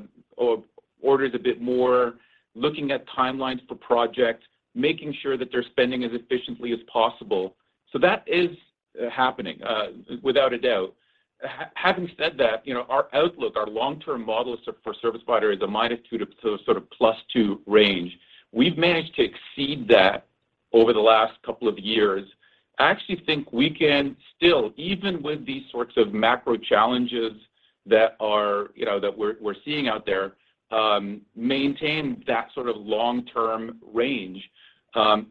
orders a bit more, looking at timelines for projects, making sure that they're spending as efficiently as possible. That is happening, without a doubt. Having said that, you know, our outlook, our long-term model for service provider is a -2 to sort of +2 range. We've managed to exceed that over the last couple of years. I actually think we can still, even with these sorts of macro challenges that are, you know, that we're seeing out there, maintain that sort of long-term range,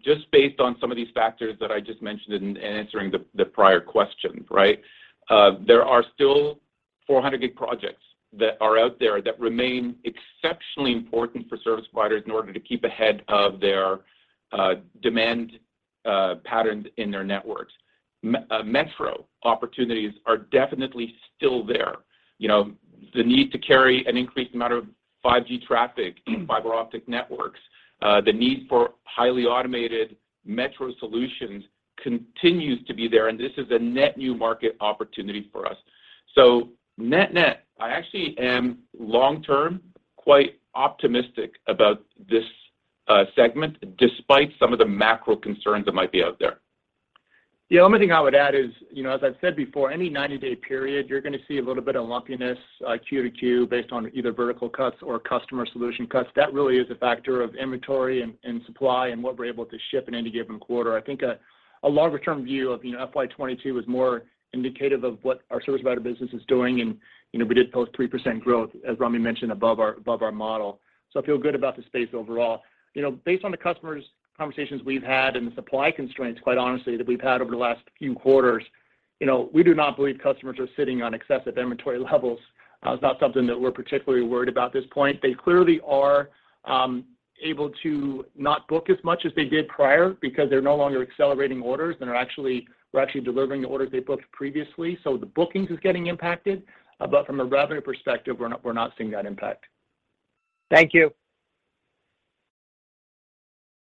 just based on some of these factors that I just mentioned in answering the prior question, right? There are still 400 gig projects that are out there that remain exceptionally important for service providers in order to keep ahead of their demand patterns in their networks. Metro opportunities are definitely still there. You know, the need to carry an increased amount of 5G traffic in fiber optic networks, the need for highly automated metro solutions continues to be there, and this is a net new market opportunity for us. Net-net, I actually am long-term quite optimistic about this segment despite some of the macro concerns that might be out there. The only thing I would add is, you know, as I've said before, any 90-day period, you're gonna see a little bit of lumpiness, Q to Q based on either vertical cuts or customer solution cuts. That really is a factor of inventory and supply and what we're able to ship in any given quarter. I think a longer term view of, you know, FY 2022 is more indicative of what our service provider business is doing, and, you know, we did post 3% growth, as Rami mentioned, above our model. I feel good about the space overall. You know, based on the customers conversations we've had and the supply constraints, quite honestly, that we've had over the last few quarters, you know, we do not believe customers are sitting on excessive inventory levels. It's not something that we're particularly worried about at this point. They clearly are able to not book as much as they did prior because they're no longer accelerating orders and we're actually delivering the orders they booked previously. The bookings is getting impacted, but from a revenue perspective, we're not seeing that impact. Thank you.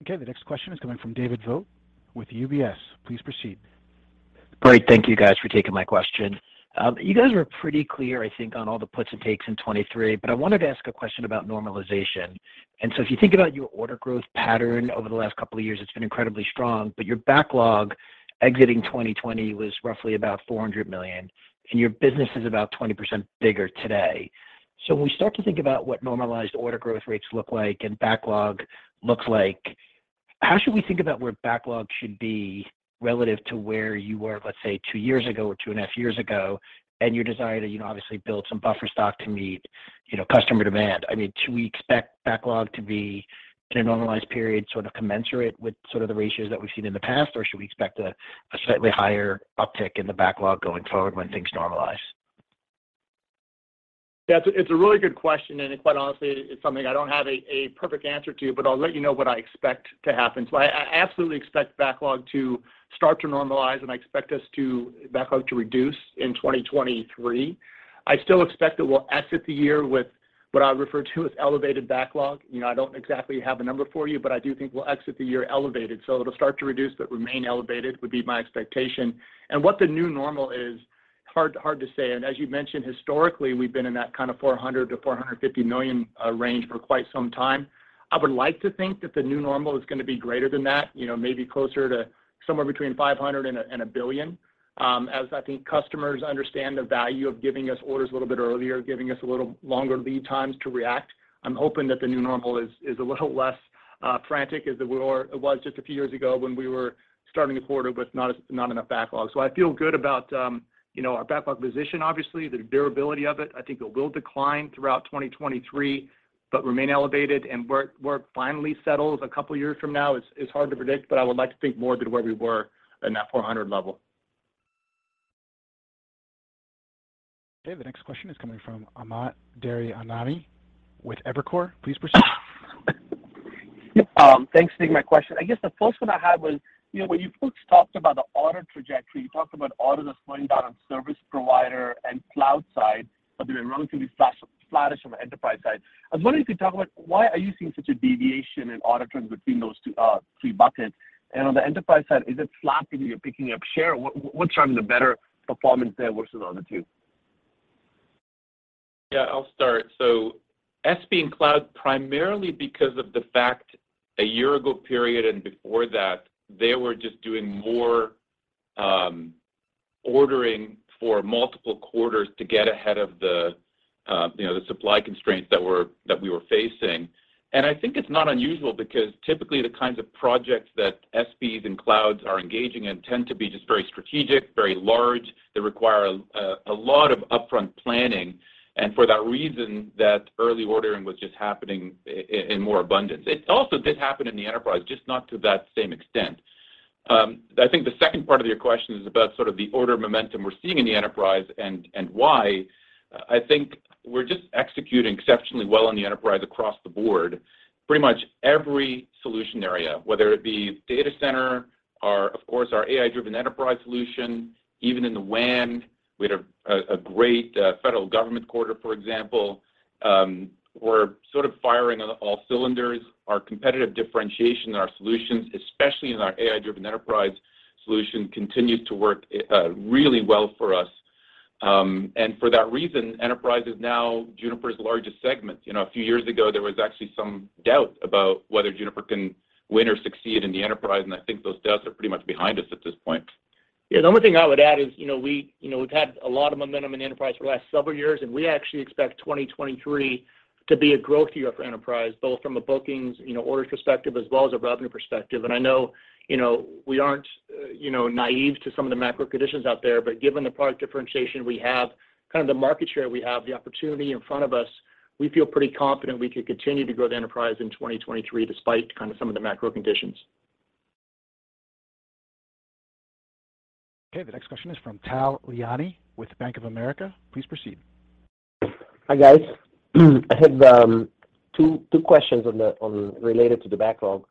Okay. The next question is coming from David Vogt with UBS. Please proceed. Great. Thank you guys for taking my question. You guys were pretty clear, I think, on all the puts and takes in 2023, but I wanted to ask a question about normalization. If you think about your order growth pattern over the last couple of years, it's been incredibly strong, but your backlog exiting 2020 was roughly about $400 million, and your business is about 20% bigger today. When we start to think about what normalized order growth rates look like and backlog looks like, how should we think about where backlog should be relative to where you were, let's say, two years ago or two and a half years ago, and your desire to, you know, obviously build some buffer stock to meet, you know, customer demand? I mean, should we expect backlog to be in a normalized period sort of commensurate with sort of the ratios that we've seen in the past, or should we expect a slightly higher uptick in the backlog going forward when things normalize? It's a really good question. Quite honestly, it's something I don't have a perfect answer to. I'll let you know what I expect to happen. I absolutely expect backlog to start to normalize, and I expect backlog to reduce in 2023. I still expect that we'll exit the year with what I refer to as elevated backlog. You know, I don't exactly have a number for you. I do think we'll exit the year elevated. It'll start to reduce but remain elevated, would be my expectation. What the new normal is, hard to say. As you mentioned, historically, we've been in that kind of $400 million-$450 million range for quite some time. I would like to think that the new normal is gonna be greater than that, you know, maybe closer to somewhere between $500 million and $1 billion. As I think customers understand the value of giving us orders a little bit earlier, giving us a little longer lead times to react, I'm hoping that the new normal is a little less frantic as we were or was just a few years ago when we were starting a quarter with not enough backlog. I feel good about, you know, our backlog position obviously, the durability of it. I think it will decline throughout 2023, but remain elevated and where it finally settles a couple years from now is hard to predict, but I would like to think more than where we were in that $400 million level. Okay. The next question is coming from Amit Daryanani with Evercore. Please proceed. Yeah. Thanks for taking my question. I guess the first one I had was, you know, when you folks talked about the order trajectory, you talked about orders slowing down on service provider and cloud side, but they were relatively flat, flattish on the enterprise side. I was wondering if you could talk about why are you seeing such a deviation in order trends between those two, three buckets? On the enterprise side, is it sloppy that you're picking up share? What's driving the better performance there versus on the two? Yeah, I'll start. SP and cloud, primarily because of the fact a year ago period and before that, they were just doing more ordering for multiple quarters to get ahead of the, you know, the supply constraints that we were facing. I think it's not unusual because typically the kinds of projects that SPs and clouds are engaging in tend to be just very strategic, very large. They require a lot of upfront planning. For that reason, that early ordering was just happening in more abundance. It also did happen in the enterprise, just not to that same extent. I think the second part of your question is about sort of the order momentum we're seeing in the enterprise and why. I think we're just executing exceptionally well on the enterprise across the board. Pretty much every solution area, whether it be data center or, of course, our AI-Driven Enterprise solution, even in the WAN, we had a great federal government quarter, for example. We're sort of firing on all cylinders. Our competitive differentiation in our solutions, especially in our AI-Driven Enterprise solution, continues to work really well for us. For that reason, enterprise is now Juniper's largest segment. You know, a few years ago, there was actually some doubt about whether Juniper can win or succeed in the enterprise. I think those doubts are pretty much behind us at this point. Yeah. The only thing I would add is, you know, we, you know, we've had a lot of momentum in enterprise for the last several years, and we actually expect 2023 to be a growth year for enterprise, both from a bookings, you know, orders perspective as well as a revenue perspective. I know, you know, we aren't, you know, naive to some of the macro conditions out there, but given the product differentiation we have, kind of the market share we have, the opportunity in front of us, we feel pretty confident we can continue to grow the enterprise in 2023 despite kind of some of the macro conditions. Okay. The next question is from Tal Liani with Bank of America. Please proceed. Hi, guys. I have two questions related to the backlog.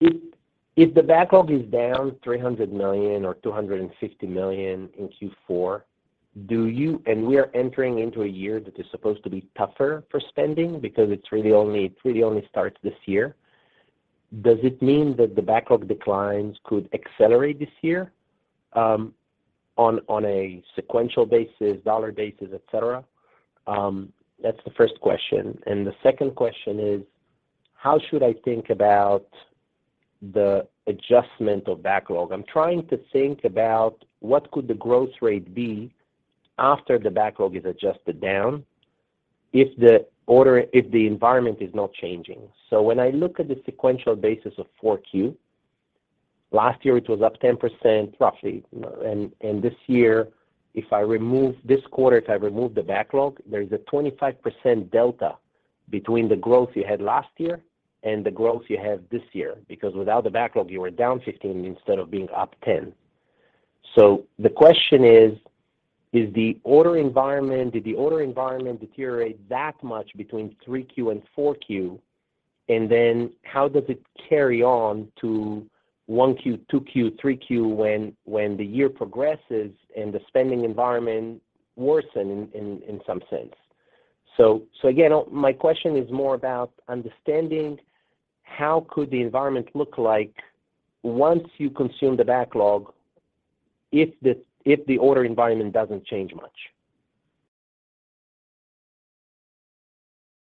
If the backlog is down $300 million or $250 million in Q4, we are entering into a year that is supposed to be tougher for spending because it really only starts this year. Does it mean that the backlog declines could accelerate this year on a sequential basis, dollar basis, et cetera? That's the first question. The second question is: How should I think about the adjustment of backlog? I'm trying to think about what could the growth rate be after the backlog is adjusted down if the environment is not changing. When I look at the sequential basis of Q4, last year it was up 10% roughly. You know, this year, if I remove this quarter, if I remove the backlog, there's a 25% delta between the growth you had last year and the growth you have this year, because without the backlog, you were down 15 instead of being up 10. The question is, did the order environment deteriorate that much between 3Q and 4Q? How does it carry on to 1Q, 2Q, 3Q when the year progresses and the spending environment worsen in some sense? Again, my question is more about understanding how could the environment look like once you consume the backlog if the order environment doesn't change much?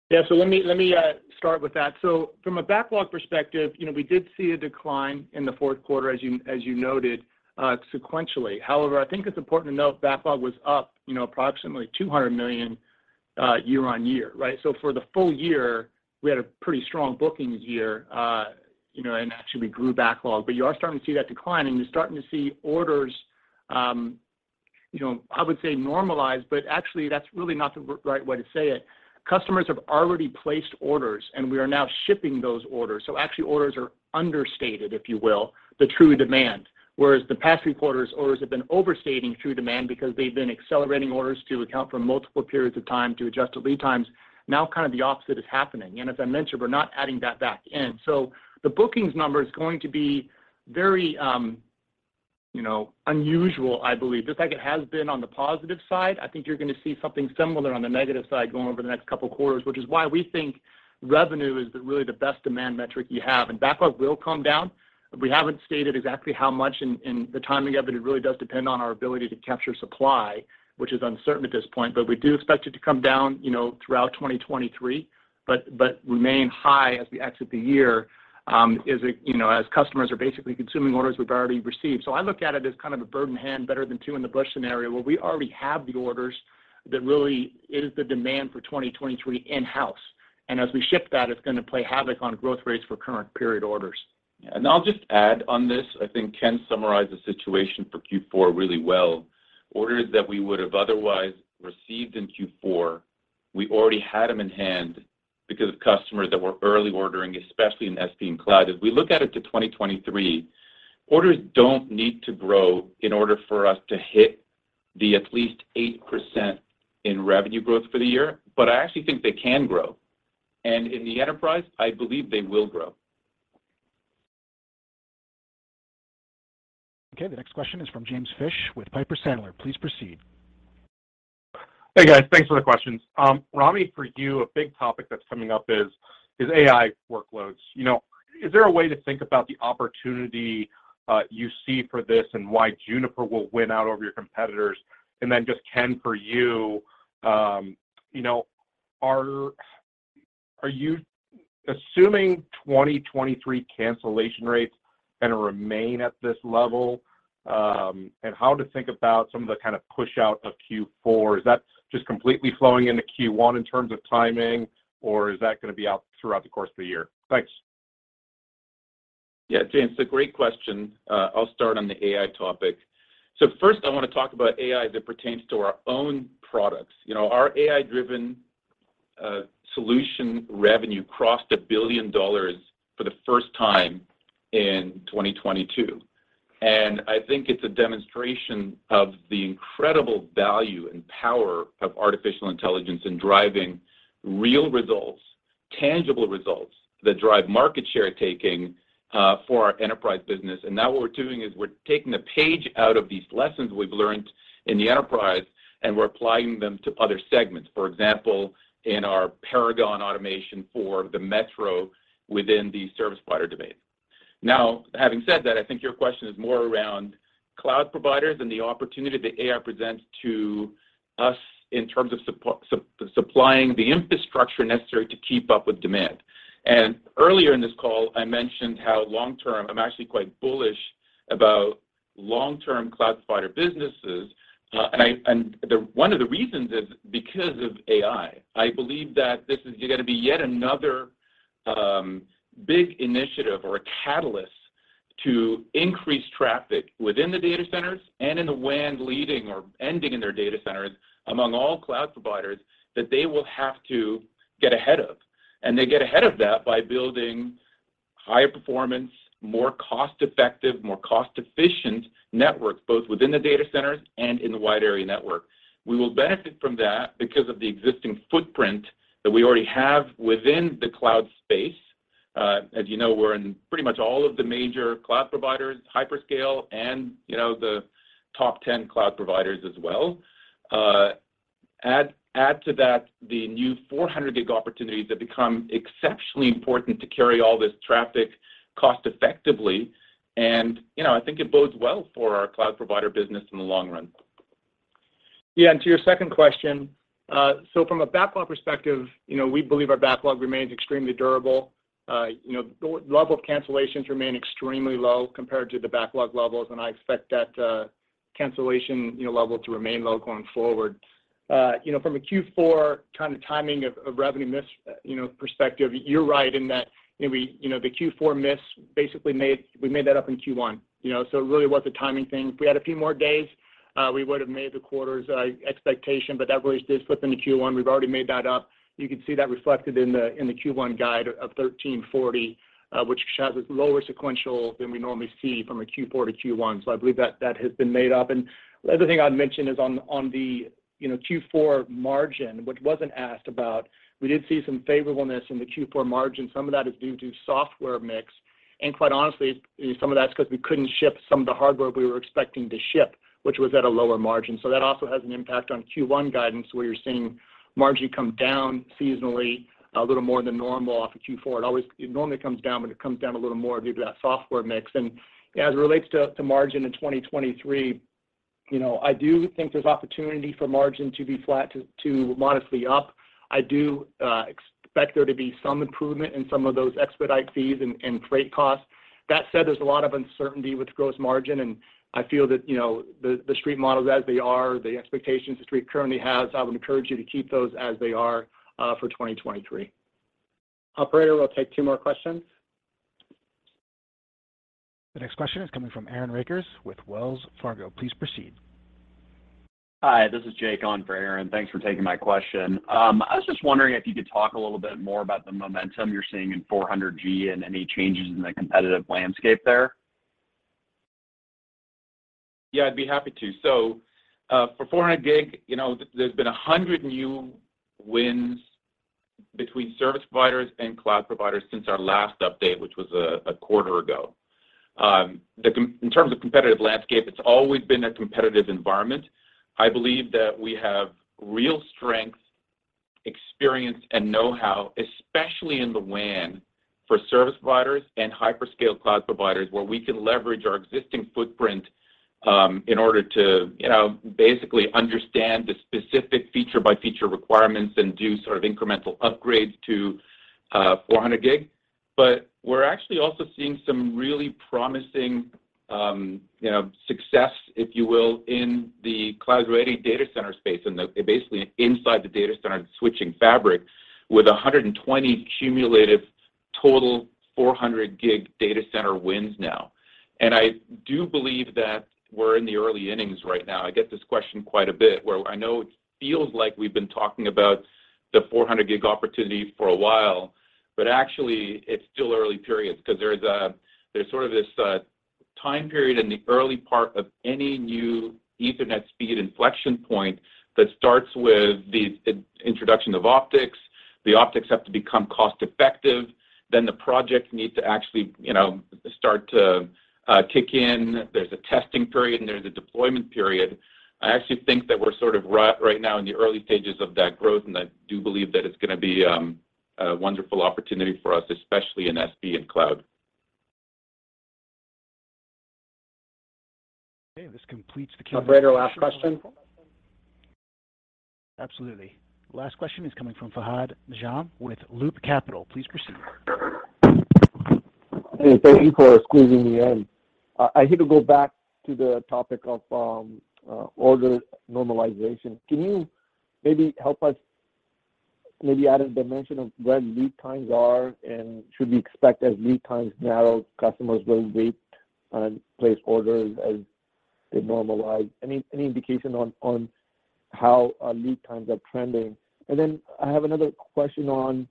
Yeah. Let me start with that. From a backlog perspective, you know, we did see a decline in the fourth quarter as you noted, sequentially. However, I think it's important to note backlog was up, you know, approximately $200 million year-over-year, right? For the full year, we had a pretty strong bookings year, you know, and actually we grew backlog. You are starting to see that decline, and you're starting to see orders, you know, I would say normalize, but actually that's really not the right way to say it. Customers have already placed orders, and we are now shipping those orders. Actually orders are understated, if you will, the true demand. Whereas the past few quarters, orders have been overstating true demand because they've been accelerating orders to account for multiple periods of time to adjust to lead times. Kind of the opposite is happening. As I mentioned, we're not adding that back in. The bookings number is going to be very, you know, unusual, I believe. Just like it has been on the positive side, I think you're going to see something similar on the negative side going over the next couple quarters, which is why we think revenue is the really the best demand metric you have. Backlog will come down. We haven't stated exactly how much in the timing of it. It really does depend on our ability to capture supply, which is uncertain at this point. We do expect it to come down, you know, throughout 2023, but remain high as we exit the year, as it, you know, as customers are basically consuming orders we've already received. I look at it as kind of a bird in hand, better than two in the bush scenario, where we already have the orders. That really is the demand for 2023 in-house. As we ship that, it's going to play havoc on growth rates for current period orders. I'll just add on this. I think Ken summarized the situation for Q4 really well. Orders that we would have otherwise received in Q4, we already had them in hand because of customers that were early ordering, especially in SP and cloud. As we look out to 2023, orders don't need to grow in order for us to hit the at least 8% in revenue growth for the year. I actually think they can grow. In the enterprise, I believe they will grow. Okay. The next question is from James Fish with Piper Sandler. Please proceed. Hey, guys. Thanks for the questions. Rami, for you, a big topic that's coming up is AI workloads. You know, is there a way to think about the opportunity you see for this and why Juniper will win out over your competitors? Just Ken, for you know, are you assuming 2023 cancellation rates going to remain at this level? How to think about some of the kind of push out of Q4? Is that just completely flowing into Q1 in terms of timing, or is that going to be out throughout the course of the year? Thanks. Yeah, James, a great question. I'll start on the AI topic. First I want to talk about AI that pertains to our own products. You know, our AI-driven solution revenue crossed $1 billion for the first time in 2022. I think it's a demonstration of the incredible value and power of artificial intelligence in driving real results, tangible results that drive market share taking for our enterprise business. Now what we're doing is we're taking a page out of these lessons we've learned in the enterprise, and we're applying them to other segments, for example, in our Paragon Automation for the metro within the service provider domain. Now, having said that, I think your question is more around cloud providers and the opportunity that AI presents to us in terms of supplying the infrastructure necessary to keep up with demand. Earlier in this call, I mentioned how long term I'm actually quite bullish about long-term cloud provider businesses. One of the reasons is because of AI. I believe that this is going to be yet another big initiative or a catalyst to increase traffic within the data centers and in the WAN leading or ending in their data centers among all cloud providers that they will have to get ahead of. They get ahead of that by building high-performance, more cost-effective, more cost-efficient networks both within the data centers and in the wide area network. We will benefit from that because of the existing footprint that we already have within the cloud space. As you know, we're in pretty much all of the major cloud providers, hyperscale and, you know, the top 10 cloud providers as well. Add to that the new 400G opportunities that become exceptionally important to carry all this traffic cost effectively. You know, I think it bodes well for our cloud provider business in the long run. Yeah. To your second question, from a backlog perspective, you know, we believe our backlog remains extremely durable. You know, the level of cancellations remain extremely low compared to the backlog levels, and I expect that cancellation, you know, level to remain low going forward. You know, from a Q4 kind of timing of revenue miss, you know, perspective, you're right in that, you know, we, you know, the Q4 miss basically we made that up in Q1. You know, it really was a timing thing. If we had a few more days, we would have made the quarter's expectation, but that really is just within the Q1. We've already made that up. You can see that reflected in the Q1 guide of $1,340, which shows lower sequential than we normally see from a Q4 to Q1. I believe that has been made up. The other thing I'd mention is on the, you know, Q4 margin, which wasn't asked about, we did see some favorableness in the Q4 margin. Some of that is due to software mix, and quite honestly, some of that's because we couldn't ship some of the hardware we were expecting to ship, which was at a lower margin. That also has an impact on Q1 guidance, where you're seeing margin come down seasonally a little more than normal off of Q4. It normally comes down, but it comes down a little more due to that software mix. As it relates to margin in 2023, you know, I do think there's opportunity for margin to be flat to modestly up. I do expect there to be some improvement in some of those expedite fees and freight costs. That said, there's a lot of uncertainty with gross margin. I feel that, you know, the Street models as they are, the expectations the Street currently has, I would encourage you to keep those as they are for 2023. Operator, we'll take two more questions. The next question is coming from Aaron Rakers with Wells Fargo. Please proceed. Hi, this is Jake on for Aaron. Thanks for taking my question. I was just wondering if you could talk a little bit more about the momentum you're seeing in 400G and any changes in the competitive landscape there. Yeah, I'd be happy to. For 400G, you know, there's been 100 new wins between service providers and cloud providers since our last update, which was a quarter ago. In terms of competitive landscape, it's always been a competitive environment. I believe that we have real strength, experience, and know-how, especially in the WAN for service providers and hyperscale cloud providers, where we can leverage our existing footprint, in order to, you know, basically understand the specific feature by feature requirements and do sort of incremental upgrades to 400G. We're actually also seeing some really promising, you know, success, if you will, in the Cloud-Ready Data Center space and basically inside the data center switching fabric with 120 cumulative total 400G data center wins now. I do believe that we're in the early innings right now. I get this question quite a bit where I know it feels like we've been talking about the 400G opportunity for a while, but actually it's still early periods 'cause there's sort of this time period in the early part of any new Ethernet speed inflection point that starts with the introduction of optics. The optics have to become cost-effective, then the project needs to actually, you know, start to kick in. There's a testing period, and there's a deployment period. I actually think that we're sort of right now in the early stages of that growth, and I do believe that it's gonna be a wonderful opportunity for us, especially in SP and cloud. Okay. This completes the question- Operator, last question. Absolutely. Last question is coming from Fahad Najam with Loop Capital. Please proceed. Hey, thank you for squeezing me in. I need to go back to the topic of order normalization. Can you maybe help us maybe add a dimension of where lead times are? Should we expect as lead times narrow, customers will wait and place orders as they normalize? Any indication on how lead times are trending? I have another question on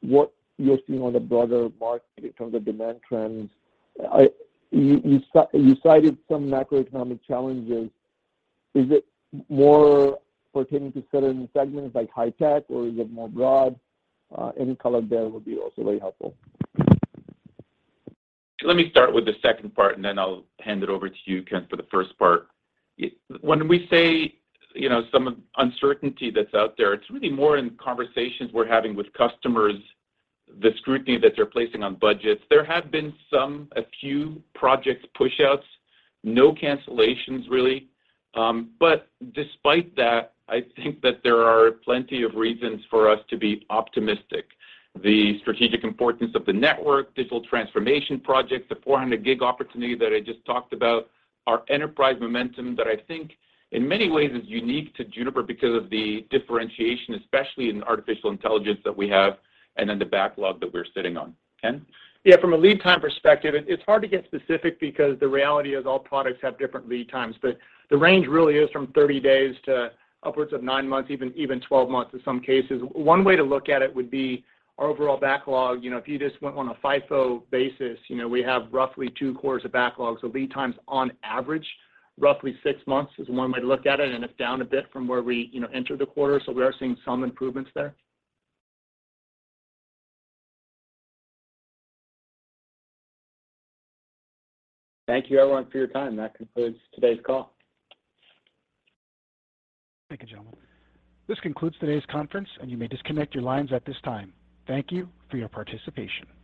what you're seeing on the broader market in terms of demand trends. You cited some macroeconomic challenges. Is it more pertaining to certain segments like high-tech, or is it more broad? Any color there would be also very helpful. Let me start with the second part, and then I'll hand it over to you, Ken, for the first part. When we say, you know, some uncertainty that's out there, it's really more in conversations we're having with customers, the scrutiny that they're placing on budgets. There have been some, a few project pushouts, no cancellations really. But despite that, I think that there are plenty of reasons for us to be optimistic. The strategic importance of the network, digital transformation projects, the 400G opportunity that I just talked about, our enterprise momentum that I think in many ways is unique to Juniper because of the differentiation, especially in artificial intelligence that we have, and then the backlog that we're sitting on. Ken? Yeah. From a lead time perspective, it's hard to get specific because the reality is all products have different lead times. The range really is from 30 days to upwards of nine months, even 12 months in some cases. One way to look at it would be our overall backlog. You know, if you just went on a FIFO basis, you know, we have roughly two quarters of backlog. Lead times on average, roughly six months is one way to look at it, and it's down a bit from where we, you know, entered the quarter. We are seeing some improvements there. Thank you everyone for your time. That concludes today's call. Thank you, gentlemen. This concludes today's conference, and you may disconnect your lines at this time. Thank you for your participation.